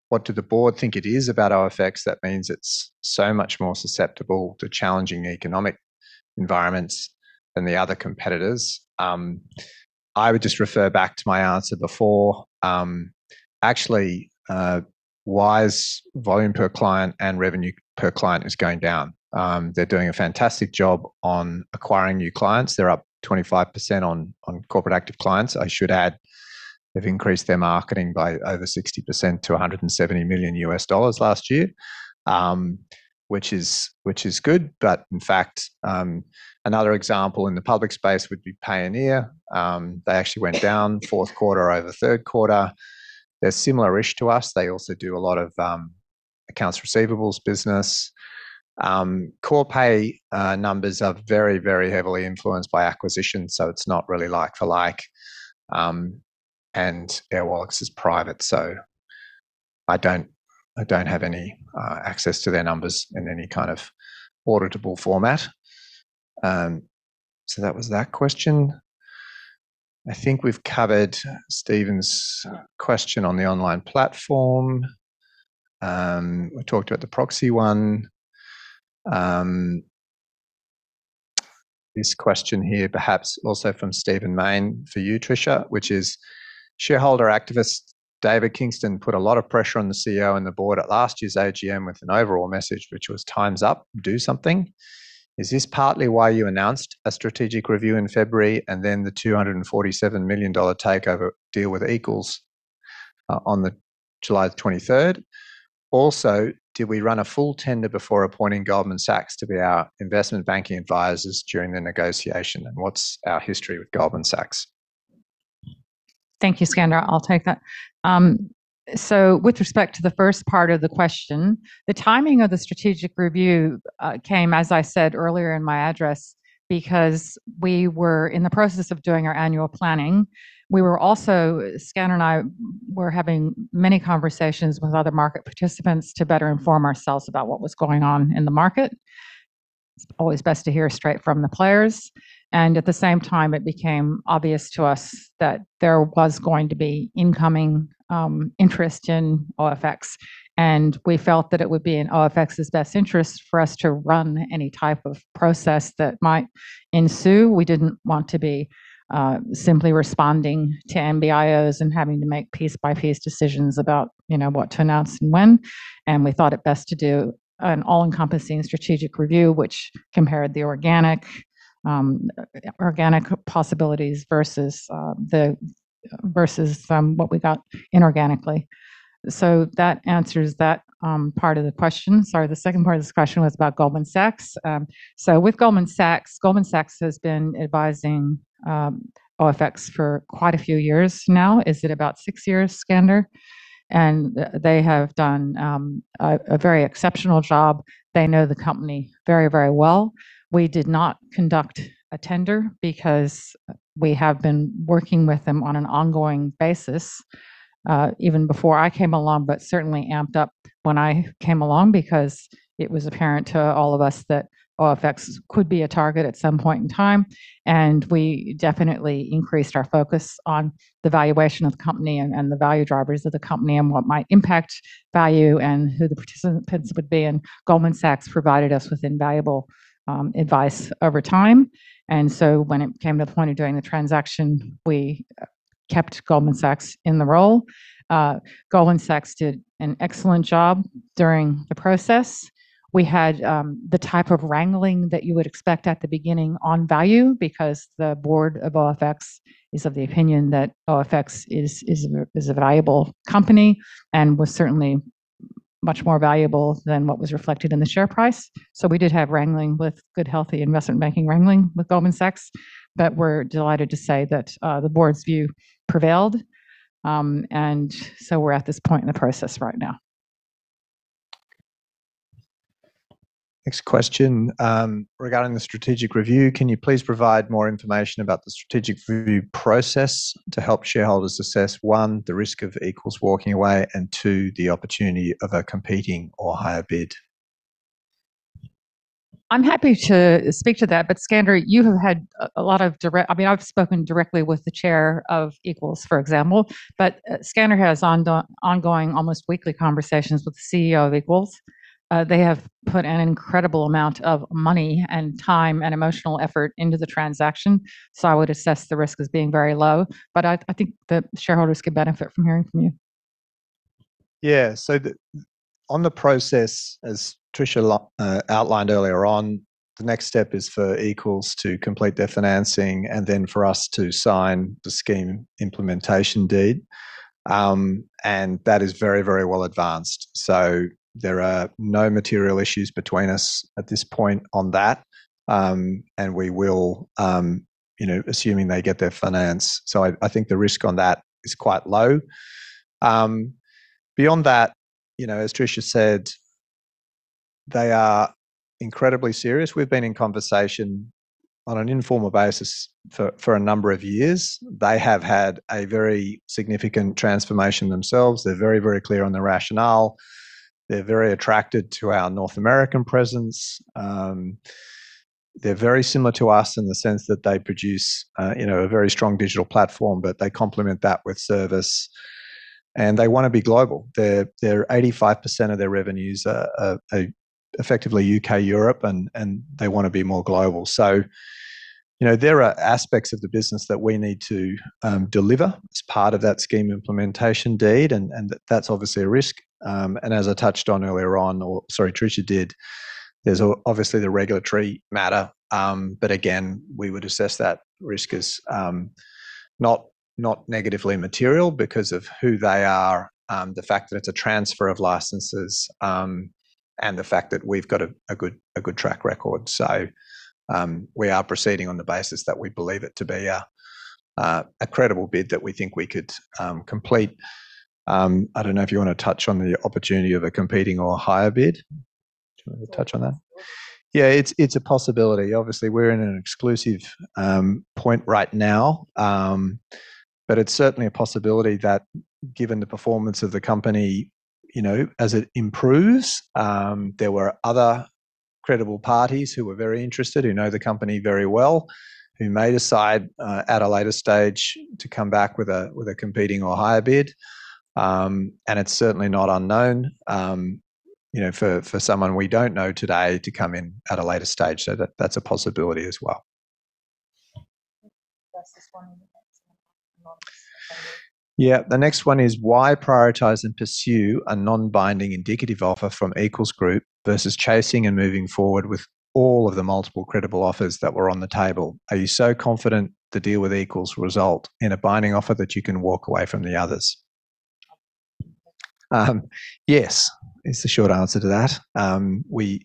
What do the board think it's about OFX that means it's so much more susceptible to challenging economic environments than the other competitors?" I would just refer back to my answer before. Actually, Wise volume per client and revenue per client is going down. They're doing a fantastic job on acquiring new clients. They're up 25% on corporate active clients, I should add. They've increased their marketing by over 60% to $170 million last year, which is good. In fact, another example in the public space would be Payoneer. They actually went down fourth quarter over third quarter. They're similar-ish to us. They also do a lot of accounts receivables business. Corpay numbers are very, very heavily influenced by acquisitions, so it's not really like for like. Airwallex is private, so I don't have any access to their numbers in any kind of auditable format. That was that question. I think we've covered Stephen's question on the online platform. We talked about the proxy one. This question here, perhaps also from Stephen Mayne for you, Tricia, which is, shareholder activist David Kingston put a lot of pressure on the CEO and the board at last year's AGM with an overall message, which was, "Time's up. Do something." Is this partly why you announced a strategic review in February and then the 247 million dollar takeover deal with Equals on July 23rd? Also, did we run a full tender before appointing Goldman Sachs to be our investment banking advisors during the negotiation? What's our history with Goldman Sachs? Thank you, Skander. I'll take that. With respect to the first part of the question, the timing of the strategic review came, as I said earlier in my address, because we were in the process of doing our annual planning. We were also, Skander and I were having many conversations with other market participants to better inform ourselves about what was going on in the market. It's always best to hear straight from the players. At the same time, it became obvious to us that there was going to be incoming interest in OFX, and we felt that it would be in OFX's best interest for us to run any type of process that might ensue. We didn't want to be simply responding to NBIO and having to make piece-by-piece decisions about what to announce and when. We thought it best to do an all-encompassing strategic review which compared the organic possibilities versus what we got inorganically. That answers that part of the question. Sorry, the second part of this question was about Goldman Sachs. With Goldman Sachs, Goldman Sachs has been advising OFX for quite a few years now. Is it about six years, Skander? They have done a very exceptional job. They know the company very, very well. We did not conduct a tender because we have been working with them on an ongoing basis, even before I came along, but certainly amped up when I came along because it was apparent to all of us that OFX could be a target at some point in time. We definitely increased our focus on the valuation of the company and the value drivers of the company and what might impact value and who the participants would be. Goldman Sachs provided us with invaluable advice over time. When it came to the point of doing the transaction, we kept Goldman Sachs in the role. Goldman Sachs did an excellent job during the process. We had the type of wrangling that you would expect at the beginning on value because the board of OFX is of the opinion that OFX is a valuable company and was certainly much more valuable than what was reflected in the share price. We did have wrangling with good, healthy investment banking wrangling with Goldman Sachs, but we're delighted to say that the board's view prevailed. We're at this point in the process right now. Next question. Regarding the strategic review, can you please provide more information about the strategic review process to help shareholders assess, one, the risk of Equals walking away, and two, the opportunity of a competing or higher bid? I'm happy to speak to that. Skander, you have had a lot of direct-- I've spoken directly with the chair of Equals, for example, but Skander has ongoing almost weekly conversations with the CEO of Equals. They have put an incredible amount of money and time and emotional effort into the transaction. I would assess the risk as being very low. I think the shareholders could benefit from hearing from you. On the process, as Tricia outlined earlier on, the next step is for Equals to complete their financing and then for us to sign the scheme implementation deed. That is very, very well advanced. There are no material issues between us at this point on that. We will, assuming they get their finance, I think the risk on that is quite low. Beyond that, as Tricia said, they are incredibly serious. We've been in conversation on an informal basis for a number of years. They have had a very significant transformation themselves. They are very, very clear on the rationale. They are very attracted to our North American presence. They are very similar to us in the sense that they produce a very strong digital platform, but they complement that with service. They want to be global. 85% of their revenues are effectively U.K., Europe, they want to be more global. There are aspects of the business that we need to deliver as part of that scheme implementation deed, that's obviously a risk. As I touched on earlier on, or sorry, Tricia did, there's obviously the regulatory matter. Again, we would assess that risk as not negatively material because of who they are, the fact that it's a transfer of licenses, and the fact that we've got a good track record. We are proceeding on the basis that we believe it to be a credible bid that we think we could complete. I don't know if you want to touch on the opportunity of a competing or a higher bid. Do you want to touch on that? Yeah, it's a possibility. Obviously, we're in an exclusive point right now. It's certainly a possibility that given the performance of the company, as it improves, there were other credible parties who were very interested, who know the company very well, who may decide at a later stage to come back with a competing or higher bid. It's certainly not unknown, for someone we don't know today to come in at a later stage. That's a possibility as well. That's this one and the next one. The next one is why prioritize and pursue a non-binding indicative offer from Equals Group versus chasing and moving forward with all of the multiple credible offers that were on the table. Are you so confident the deal with Equals result in a binding offer that you can walk away from the others? Yes, is the short answer to that. We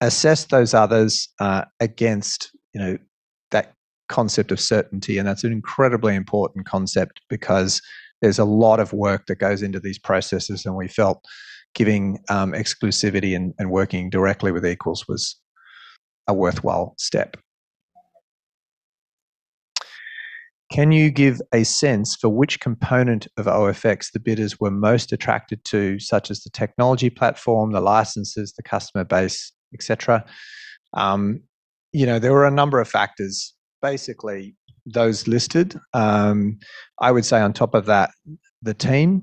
assessed those others against that concept of certainty. That's an incredibly important concept because there's a lot of work that goes into these processes, and we felt giving exclusivity and working directly with Equals was a worthwhile step. Can you give a sense for which component of OFX the bidders were most attracted to, such as the technology platform, the licenses, the customer base, et cetera? There were a number of factors. Basically, those listed. I would say on top of that, the team.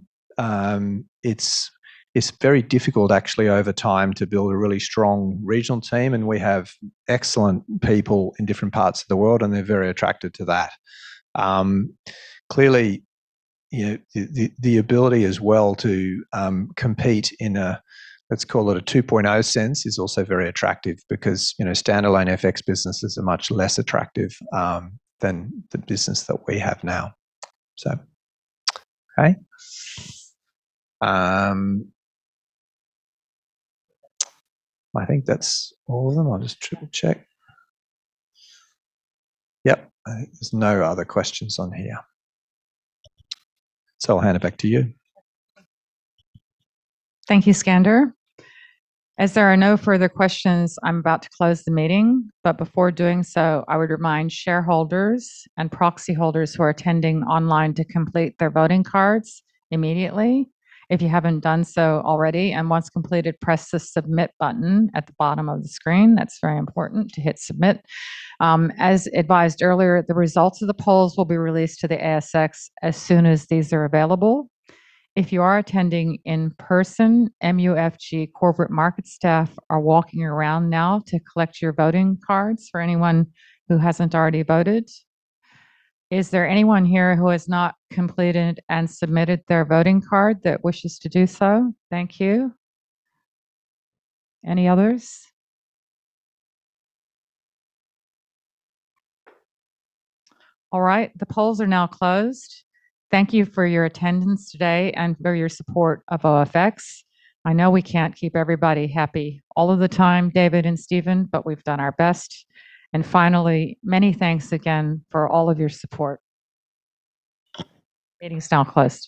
It's very difficult actually over time to build a really strong regional team, and we have excellent people in different parts of the world, and they're very attracted to that. Clearly, the ability as well to compete in a, let's call it a 2.0 sense, is also very attractive because standalone FX businesses are much less attractive than the business that we have now. Okay. I think that's all of them. I'll just triple-check. I think there's no other questions on here. I'll hand it back to you. Thank you, Skander. As there are no further questions, I'm about to close the meeting, before doing so, I would remind shareholders and proxy holders who are attending online to complete their voting cards immediately if you haven't done so already. Once completed, press the submit button at the bottom of the screen. That's very important to hit submit. As advised earlier, the results of the polls will be released to the ASX as soon as these are available. If you are attending in person, MUFG Corporate Markets staff are walking around now to collect your voting cards for anyone who hasn't already voted. Is there anyone here who has not completed and submitted their voting card that wishes to do so? Thank you. Any others? The polls are now closed. Thank you for your attendance today and for your support of OFX. I know we can't keep everybody happy all of the time, David and Stephen, but we've done our best. Finally, many thanks again for all of your support. Meeting's now closed.